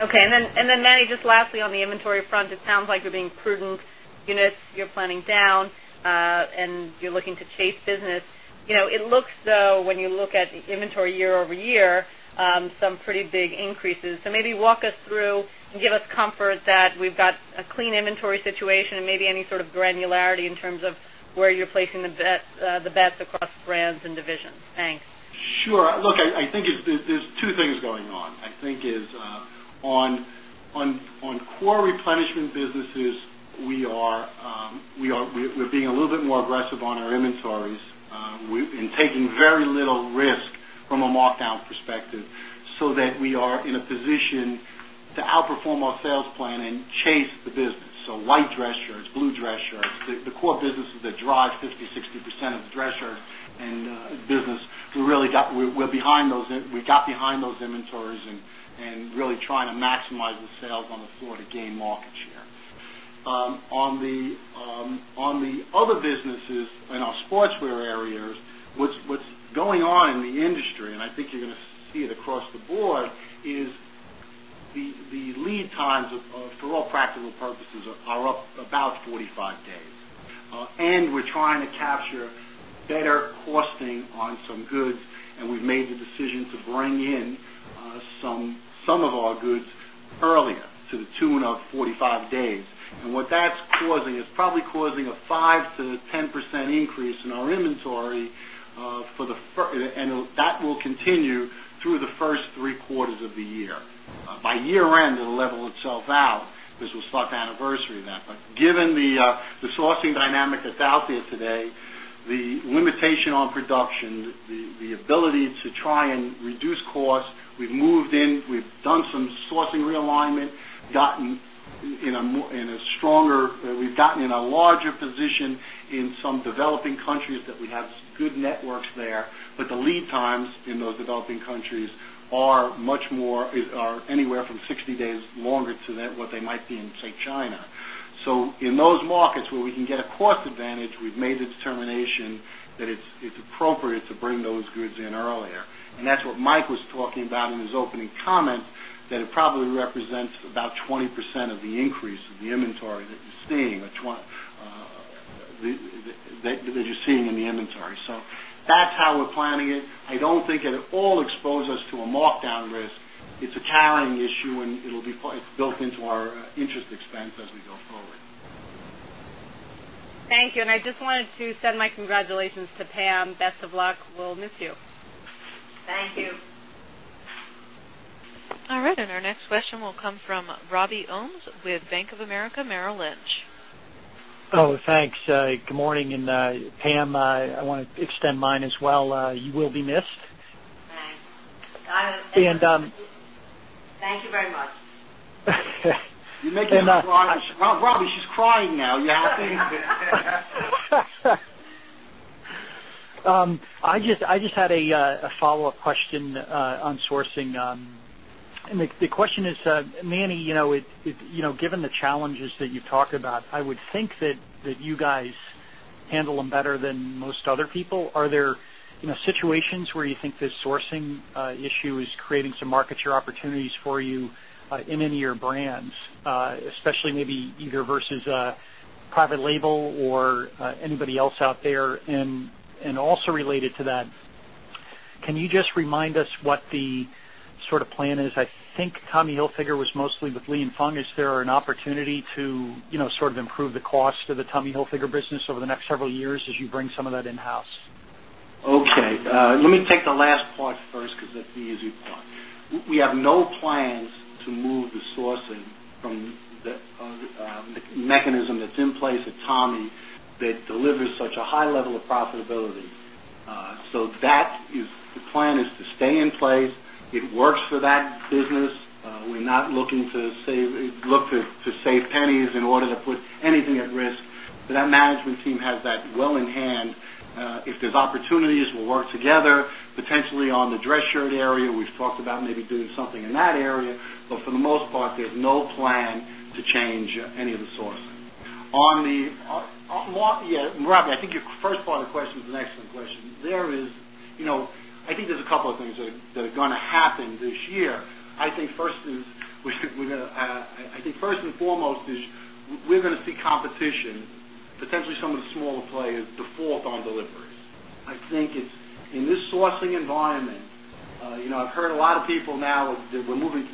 Okay. And then, Manny, just lastly on the inventory front, it sounds like you're being prudent units you're planning down and you're looking to chase business. It looks though when you look at the inventory year over year, some pretty big increases. So maybe walk us through and give us comfort that we've got a clean inventory situation and maybe any sort of granularity in terms of where you're placing the bets across brands and divisions? Sure. Look, I think there's 2 things going on. I think is on core replenishment businesses, we are being a little bit more aggressive on our inventories and taking very little risk from a markdown perspective, so that we are in a position to outperform our sales plan and chase the business. So white dress shirts, blue dress shirts, the core business that drives 50%, 60% of the dress shirts and business, we really got we're behind those we got behind those inventories and really trying to maximize the sales on the Florida game market share. On the other businesses in our sportswear areas, what's going on in the industry and I think you're going to see it across the board is the lead times for all practical purposes are up about 45 days. And we're trying to capture better costing on some goods and we've made the decision to bring in some of our goods earlier to the 2 and up 45 days. And what that's causing is probably causing a 5% to 10% increase in our inventory for the and that will continue through the 1st 3 quarters of the year. By year end, it'll level itself out because we'll start anniversary that. But given the sourcing dynamic that's out there today, the limitation on production, the ability to try and reduce costs, we've moved in, we've done some sourcing realignment, gotten in a stronger we've gotten in a larger position in some developing countries that we have good networks there, but the lead times in those developing countries are much more are anywhere from 60 days longer to that what they might be in say China. So in those markets where we can get a cost advantage, we've made the determination that it's appropriate to bring those goods in earlier. And that's what Mike was talking about in his opening comments that it probably represents about 20% of the increase of the inventory that you're seeing in the inventory. So that's how we're planning it. I don't think it all expose us to a markdown risk. It's a carrying issue and it will be built into our interest expense as we go forward. Thank you. And I just wanted to send my congratulations to Pam. Best of luck. We'll miss you. Thank you. All right. And our next question will come from Robbie Ohmes with Bank of America Merrill Lynch. Thanks. Good morning. And Pam, I want to extend mine as well. You will be missed. Thanks. And Thank you very much. Robbie, she's crying now. I just had a follow-up question on sourcing. And the question is Manny, given the challenges that you've talked about, I would think that you guys handle them better than most other people. Are there situations where you think this sourcing issue is creating some market share sourcing issue is creating some market share opportunities for you in any of your brands, especially maybe either versus private label or anybody else out there? And also related to that, can you just remind us what the sort of plan is? I think Tommy Hilfiger was mostly with Lee and Fung. Is there an opportunity to sort of improve the cost of the Tommy Hilfiger business over the next several years as you bring some of that in house? Okay. Let me take the last part first because that's the easy part. We have no plans to move the sourcing from the pennies in order to put anything at risk. So that is the plan is to stay in place. It works for that business. We're not looking to save look to save pennies in order to put anything at risk. But that management team has that well in hand. If there's opportunities, we'll work together potentially on the dress shirt area. We've talked about maybe doing something in that area. Source. On the yes, Robbie, I think your first part of the question is an excellent question. There is I think there's a couple of things that are going to happen this year. I think first is we're going to I think first and foremost is we're going to see competition potentially some of the smaller players default on deliveries. I think it's in this sourcing environment, I've heard a lot of people now that we're moving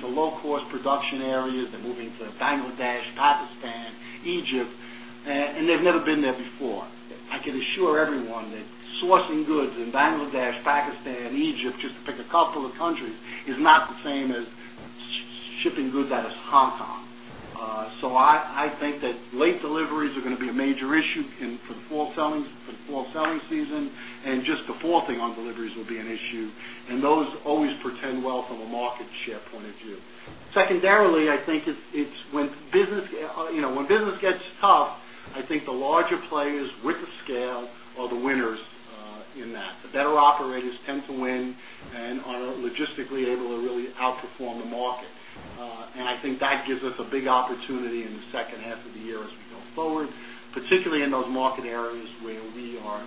to low cost production areas, they're moving to Bangladesh, Pakistan, Egypt, and they've never been there before. I can assure everyone that sourcing goods in Bangladesh, Pakistan, and Egypt, just to pick a couple of countries is not the same as shipping goods out of Hong Kong. So I think that late deliveries are going to be a major issue for the fall selling season and just the full thing on deliveries will be an issue. Issue. And those always pretend well from a market share point of view. Secondarily, I think it's when business gets tough, I think the larger players with the scale are the winners in that. The better operators tend to win and are logistically able to really outperform the market. And I think that gives us a big opportunity in the second half of the year as we go forward, particularly in those market areas where we are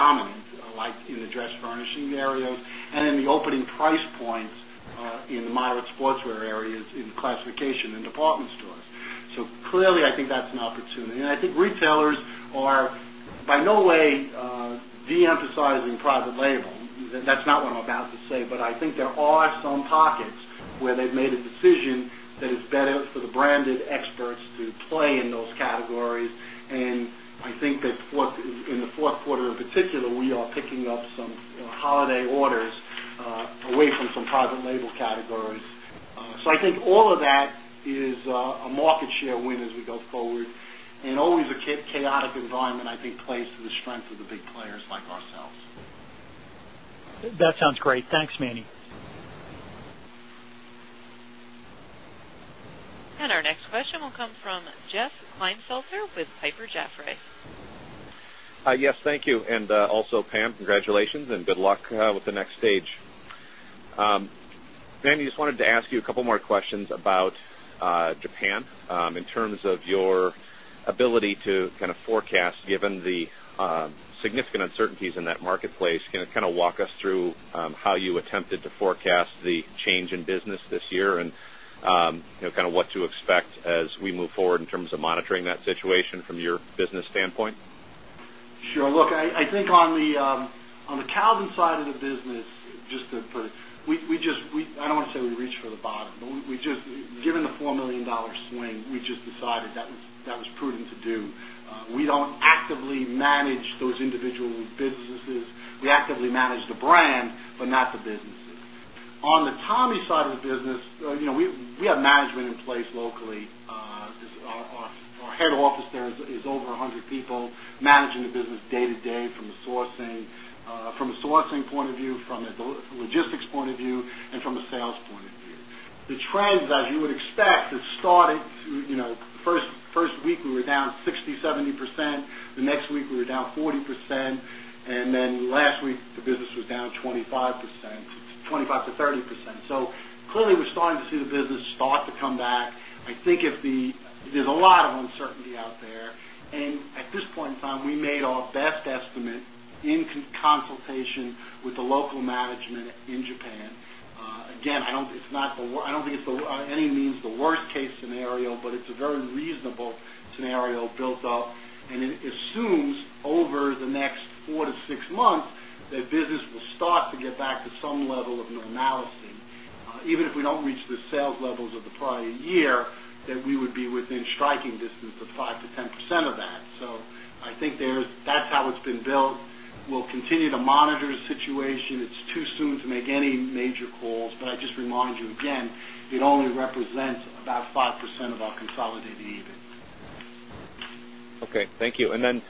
dominant like in the dress furnishing areas and in the opening price points in moderate sportswear areas in classification and department stores. So clearly, I think that's an opportunity. And I think retailers are by no way deemphasizing private label. That's not what I'm about to say, but I think there are some pockets where they've made a decision that is better for the branded experts to play in those categories. And I think that in the Q4 in particular, we are picking up some holiday orders away from some private label categories. So I think all of that a market share win as we go forward. And always a chaotic environment I think plays to the strength of the big players like ourselves. And our next question will come from Jeff Klinefelter with Piper Jaffray. Yes, thank you. And also Pam, congratulations and good luck with the next stage. Mandy, I just wanted to ask you a couple more questions about Japan in terms of your ability to kind of forecast given the significant uncertainties in that marketplace. Can you kind of walk us through how you attempted to forecast the change in business this year and kind of what to expect as we move forward in terms of monitoring that situation from your business standpoint? Sure. Look, I think on the Calvin side of the business, just to we just I don't want to say we reached for the bottom, but we just given the $4,000,000 swing, we just decided that was prudent to do. We don't actively manage those individual businesses. We actively manage the brand, but not the businesses. On the Tommy side of the business, we have management in place locally. Our head office there is over 100 people managing the business day to day from the sourcing point of view, from the logistics point of view and from a sales point of view. The trends as you would expect is starting to 1st week we were down 60%, 70%, the next week we were down 40% and then last week the business was down 25% to 30%. So clearly we're starting to see the business start to come back. I 30%. So, clearly, we're starting to see the business start to come back. I think if the there's a lot of uncertainty out there. And at this point in time, we made our best estimate in consultation with the local management in Japan. Again, I don't think it's by any means the worst case scenario, but it's a very reasonable scenario built up and it assumes over the next 4 to 6 months that business will start to get back to some level of analysis. Even if we don't reach the sales levels of the prior year, that we would be within striking distance of 5% to 10% of that. So I think there is that's how it's been built. We'll continue to monitor the situation. It's too soon to make any major calls, but I just remind you again, it only represents about 5% of our consolidated EBIT. Okay. Thank you. And then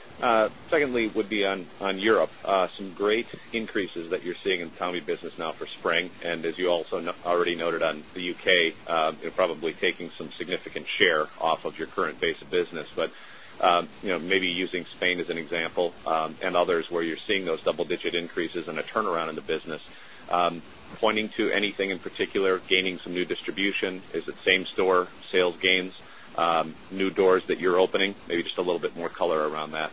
secondly would be on Europe, some great increases that you're seeing in Tommy business now for spring. And as you also already noted on the U. K, you're probably taking some significant share off of your current base of business. But maybe using Spain as an example and others where you're seeing those double digit increases and a as an example and others where you're seeing those double digit increases and a turnaround in the business. Pointing to anything in particular gaining some new distribution, is it same store sales gains, new doors that you're opening? Maybe just a little bit more color around that.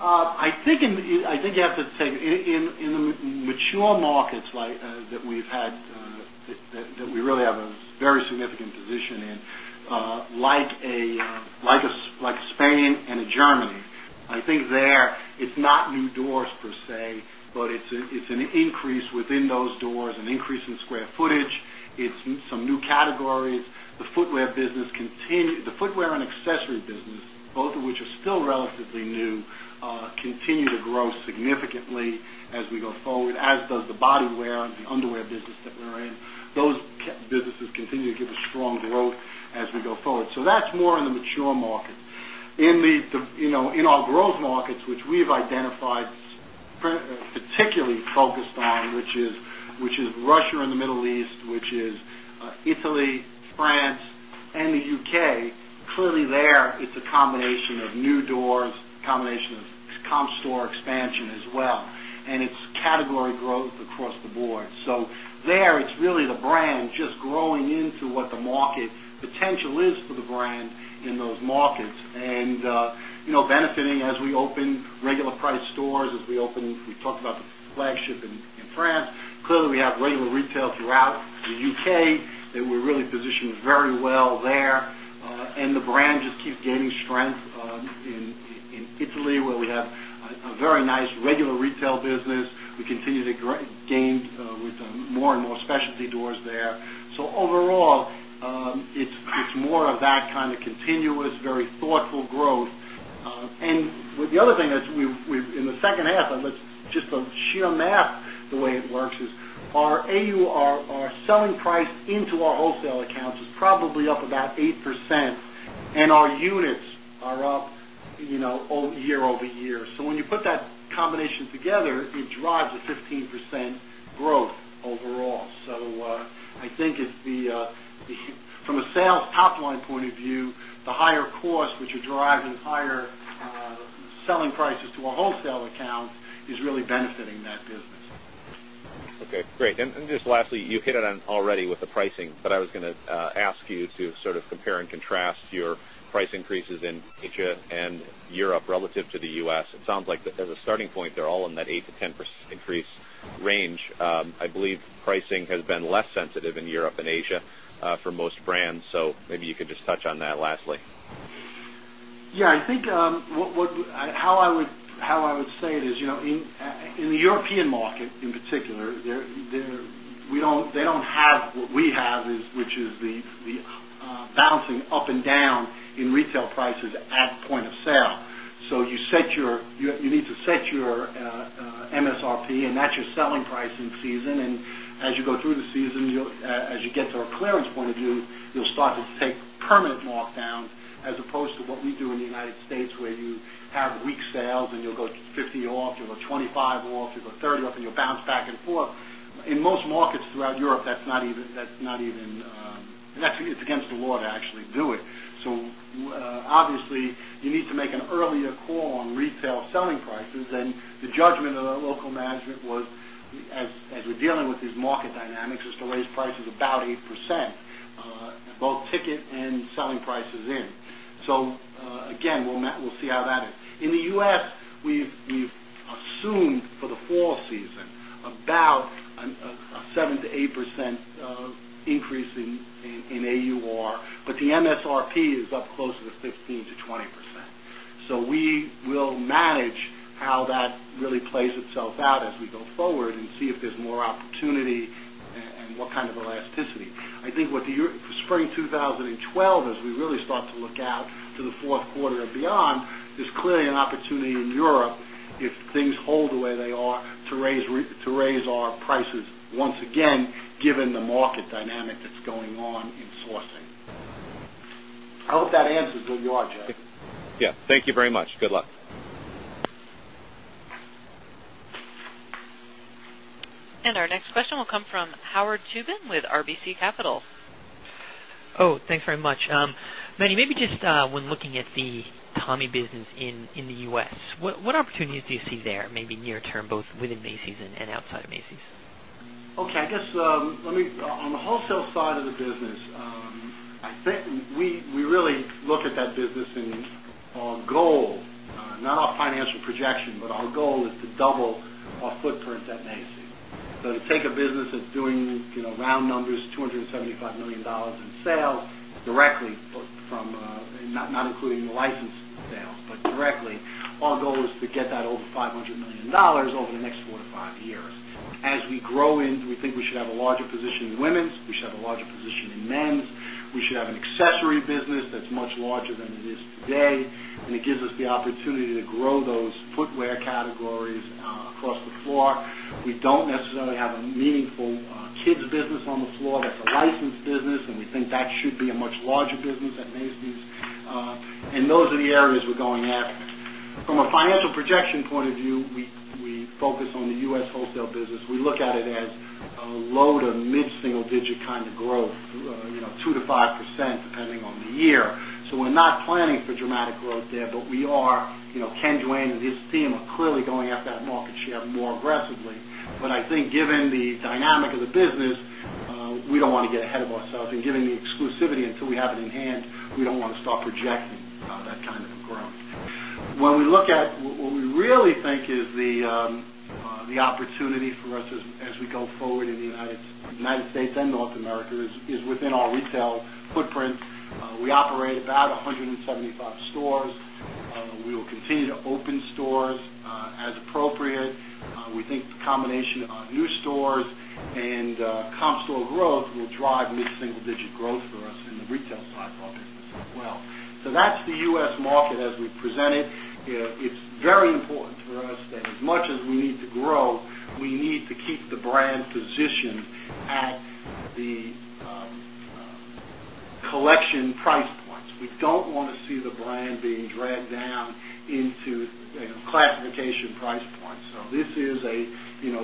I think you have to say, in the mature markets that we've had that we really have a very significant position in like Spain and Germany. I think there it's not new doors per se, but it's an increase within those doors, an increase in square footage. It's some new categories. The footwear and accessory business, both of which are still relatively new, continue to grow significantly as we go forward as does the body wear and the underwear business that we're in. Those businesses continue to give us strong growth as we go forward. So that's more in the mature market. In our growth markets, which we've identified particularly focused on, which is Russia and the Middle East, which is Italy, France and the UK, clearly there it's a combination of new doors, combination of comp store expansion as well. And it's category growth across the board. So there it's really the brand just growing into what the market potential is for the brand in those markets and benefiting as we open regular price stores as we open, we talked about the flagship in France. Clearly, we have regular retail throughout the U. K. And we're really positioned very well there. And the brand just keeps gaining strength in Italy where we have a very nice regular retail business. We continue to gain with more and more specialty doors there. So overall, it's more of that kind of continuous very thoughtful growth. And the other thing that in the second half, and let's just a sheer math the way it works is our AUR, our selling price into our wholesale accounts is probably up about 8% and our units are up year over year. So when you put that combination together, it drives a 15% growth overall. So I think it's the from a sales top line point of view, the higher costs which are driving higher selling prices to our wholesale accounts is really benefiting that business. Okay, great. And just lastly, you hit it on already with the pricing, but I was going to ask you to sort of compare and contrast your price increases in Asia and Europe relative to the U. S. It sounds like as a starting point, they're all in that 8% to 10% increase range. I believe pricing has been less sensitive in Europe and Asia for most brands. So maybe you could just touch on that lastly. Yes. I think how I would say it is, in the European market in particular, they don't have what we have is, which is the bouncing up and down in retail prices at point of sale. So you set your you need to set your MSRP and that's your selling pricing season. And as you go through the season, as you get to our clearance point of view, you'll start to take permanent markdowns as opposed to what we do in the United States where you have weak sales and you'll go 50 off, you'll go 25 off, you'll go 30 off and you'll bounce back and forth. In most markets throughout Europe, that's not even and against the law to actually do it. So obviously, you need to make an earlier call on retail selling prices and the judgment of our local management was as we're dealing with these market dynamics is to raise prices about 8%, both ticket and selling prices in. So again, we'll see how that is. In the U. S, we've assumed for the fall season about 7% to 8% increase in AUR, but the MSRP is up close to the 15% to 20%. So we will manage how that really plays itself out as we go forward and see if there's more opportunity and what kind of elasticity. I think what the spring 2012 as we really start to look out to the Q4 and beyond is clearly an opportunity in Europe if things hold the way they are to raise our prices once again given the market dynamic that's going on in sourcing. I hope that answers what you are, Joe. And our next question will come from Howard Tubin with RBC Capital. Thanks very much. Mehdi, maybe just when looking at the Tommy business in the U. S, what opportunities do you see there maybe near term both within Macy's and outside of Macy's? Okay. I guess, on the wholesale side of the business, I think we really look at that business in our goal, not our financial projection, but our goal is to double our footprint at Macy's. So to take a business that's doing round numbers $275,000,000 in sales directly from not including the license sales, but directly, our goal is to get that over $500,000,000 over the next 4 to 5 years. As we grow in, we think we should have a larger position in women's, we should have a larger position in men's, we should have an accessory business that's much larger than it is today and it gives us the opportunity to grow those footwear categories across the floor. We don't necessarily have a meaningful kids business on the floor. That's a licensed business and we think that should be a much larger business at Macy's. And those are the areas we're going after. From a financial projection point of view, we focus on the U. S. Business. We look at it as low to mid single digit kind of growth, 2% to 5% depending on the year. So we're not planning for dramatic growth there, but we are Ken Duane and his team are clearly going at that market share more aggressively. But I think given the dynamic of the business, we don't want to get ahead of ourselves and given the exclusivity until we have it in hand, we don't want to start projecting that kind of growth. When we look at what we really think is the opportunity for us as we go forward in the United States and North America is within our retail footprint. We operate about 175 stores. We will continue to open stores as appropriate. We think the combination of new stores and comp store growth will drive mid single digit growth for us in the retail side of our business as well. So that's the U. S. Market as we present it. It's very important for us that as much we need to grow, we need to keep the brand positioned at the collection price points. We don't want to see the brand being dragged down into classification price points. So this is a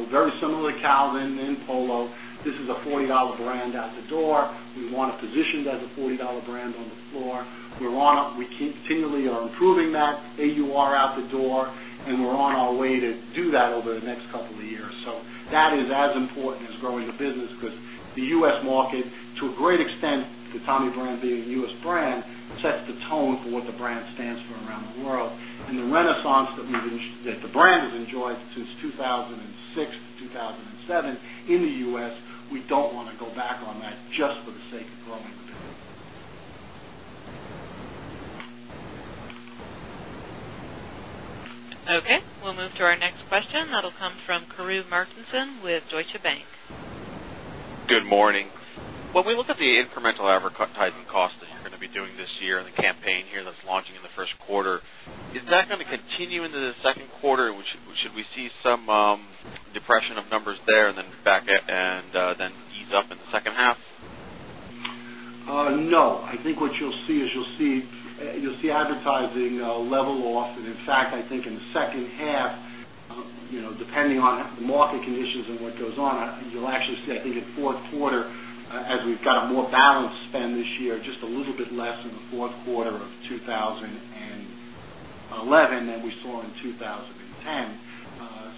very similar to Calvin and Polo. This is a $40 brand out the door. We want to position that the $40 brand on the floor. We're on a we continually are improving that AUR out the door and we're on our way to do that over the next couple of years. So that is as important as growing the business because the U. S. Market to a great extent, the Tommy brand being a U. S. Brand sets the tone for what the brand stands for around the world. And the renaissance that the brand has enjoyed since 2,006 to 2,007 in the U. S, we don't want to go back on that just for the sake of growing. Okay. We'll move to our next question that will come from Karru Martinson with Deutsche Bank. Good morning. When we look at the incremental advertising cost that you're going to be doing this year and the campaign here that's launching in the Q1, is that going to continue into the Q2? Should we see some depression of numbers there and then ease up in the second half? No. I think what you'll see is you'll see advertising level off. And in fact, I think in the second half, depending on the market conditions and what goes on, you'll actually see I think in Q4 as we've got a more balanced spend this year, just a little bit less in the Q4 of 2011 than we saw in 2010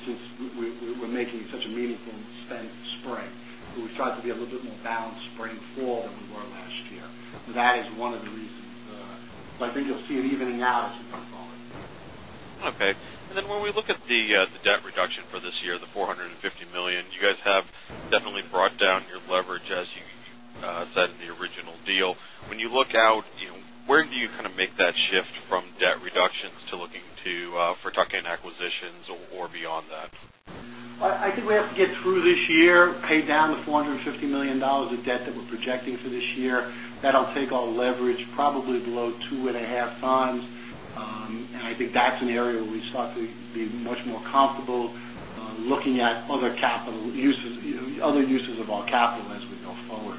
since we're making such a meaningful spend in spring. We've started to be a little bit more balanced spring fall than we were last year. That is one of the reasons. But I think you'll see an even analysis going forward. Okay. And then when we look at the debt reduction for this year, the 450 million you guys have definitely brought down your leverage as you said in the original deal. When you look out, where do you kind of make that shift from debt reductions to looking to for tuck in acquisitions or beyond that? I think we have to get through this year, pay down the $450,000,000 of debt that we're projecting for this year. That'll take our leverage probably below 2.5 times. And I think that's an area we start to be much more comfortable looking at other capital uses other uses of our capital as we go forward.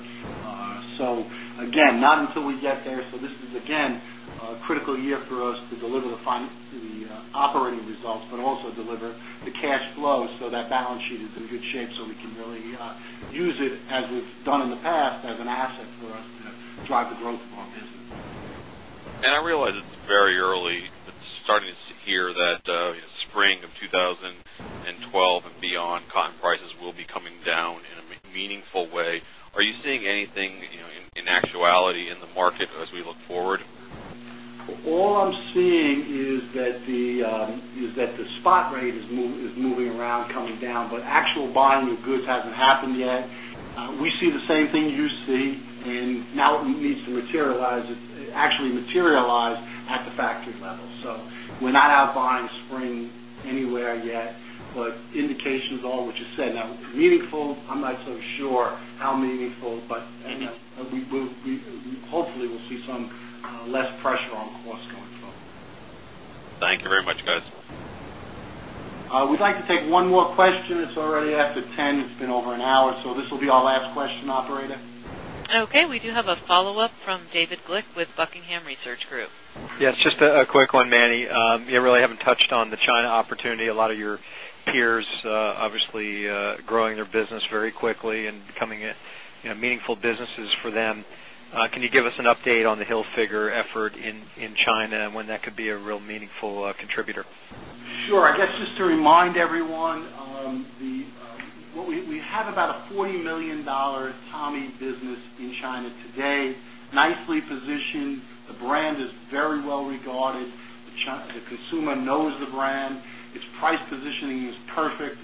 So again, not until we get there. So this is again a critical year for us to to deliver the operating results, but also deliver the cash flow so that balance sheet is in good shape so we can really use it as we've done in the past as an asset for us to drive the growth of our business. And I realize it's very early, starting to hear that spring of 2012 and beyond, cotton prices will be coming down in a meaningful way. Are you seeing anything in actuality in the market as we look forward? All I'm seeing is that the spot rate is moving around coming down, but actual volume of goods hasn't happened yet. We see the same thing you see and now it needs to materialize it actually materialize at the factory level. So we're not out buying spring anywhere yet. We'll see some less pressure on cost going forward. Thank you very much guys. We'd like to take one more question. It's already after 10. It's been over an hour. So this will be our last question operator. We do have a follow-up from David Glick with Buckingham Research Group. Yes, just a quick one Manny. You really haven't touched on the China opportunity. A lot of your peers obviously growing their business very quickly and becoming meaningful businesses for them. Can you give us an update on the Hillfigure effort in China and when that could be a real meaningful contributor? Sure. I guess just to remind everyone, we have about $40,000,000 Tommy business in China today, nicely positioned. The brand is very well regarded. The consumer knows the brand. Its price positioning is perfect.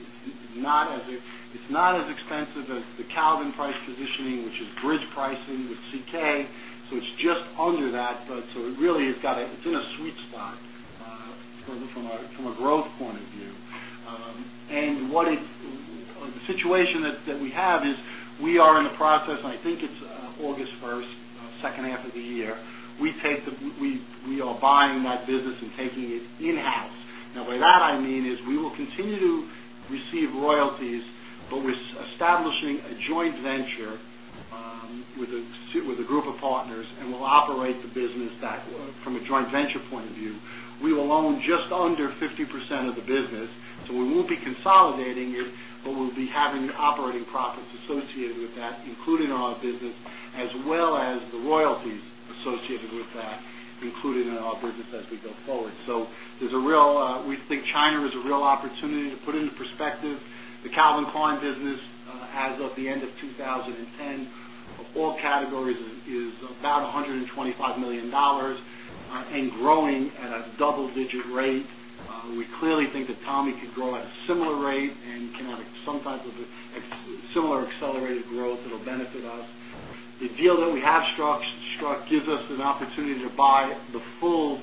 It's not as expensive as the Calvin price positioning, which is bridge pricing with CK. So it's just under that. But so it really has got it it's in a sweet spot from a growth point of view. And what is the situation that we have is we are in the process, I think it's August 1, second half of the year. We take the we are buying that business and taking it in house. Now by that, I mean is we will continue to receive royalties, but we're establishing a joint venture with a group of partners and we'll operate the business back from a joint venture point of view. We will own just under 50% of the business. So we won't be consolidating it, but we'll be having operating profits associated with that, including our business as well as the royalties associated with that, including our business as we go forward. So there's a real we think China is a real opportunity to put into perspective. The Calvin Klein business as of the end of 2010 of all categories is about $125,000,000 and growing at a double digit rate. We clearly think that Tommy could grow at a similar rate and can have some type of similar accelerated growth that will benefit us. The deal that we have struck gives us an opportunity to buy the full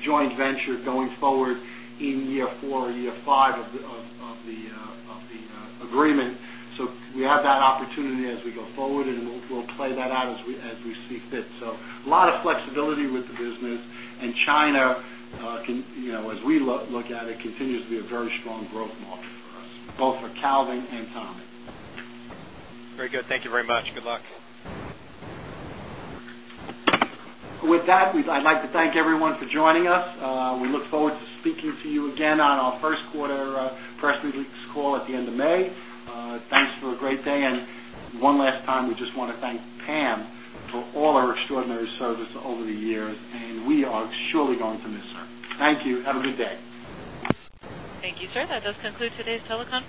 joint venture going forward in year 4 or year 5 of the agreement. So we have that opportunity as we go forward and we'll play that out as we see fit. So a lot of flexibility with the business and China as we look at it continues to be a very strong growth market for us both for Calvin and Tommy. Very good. Thank you very much. Good luck. With that, I'd like to thank everyone for joining us. We look forward to speaking to you again on our Q1 press release call at the end of May. Thanks for a great day. And one last time, we just want to thank Pam for all our extraordinary service over the years and we are surely going to miss her. Thank you. Have a good day. Thank you, sir. That does conclude today's teleconference.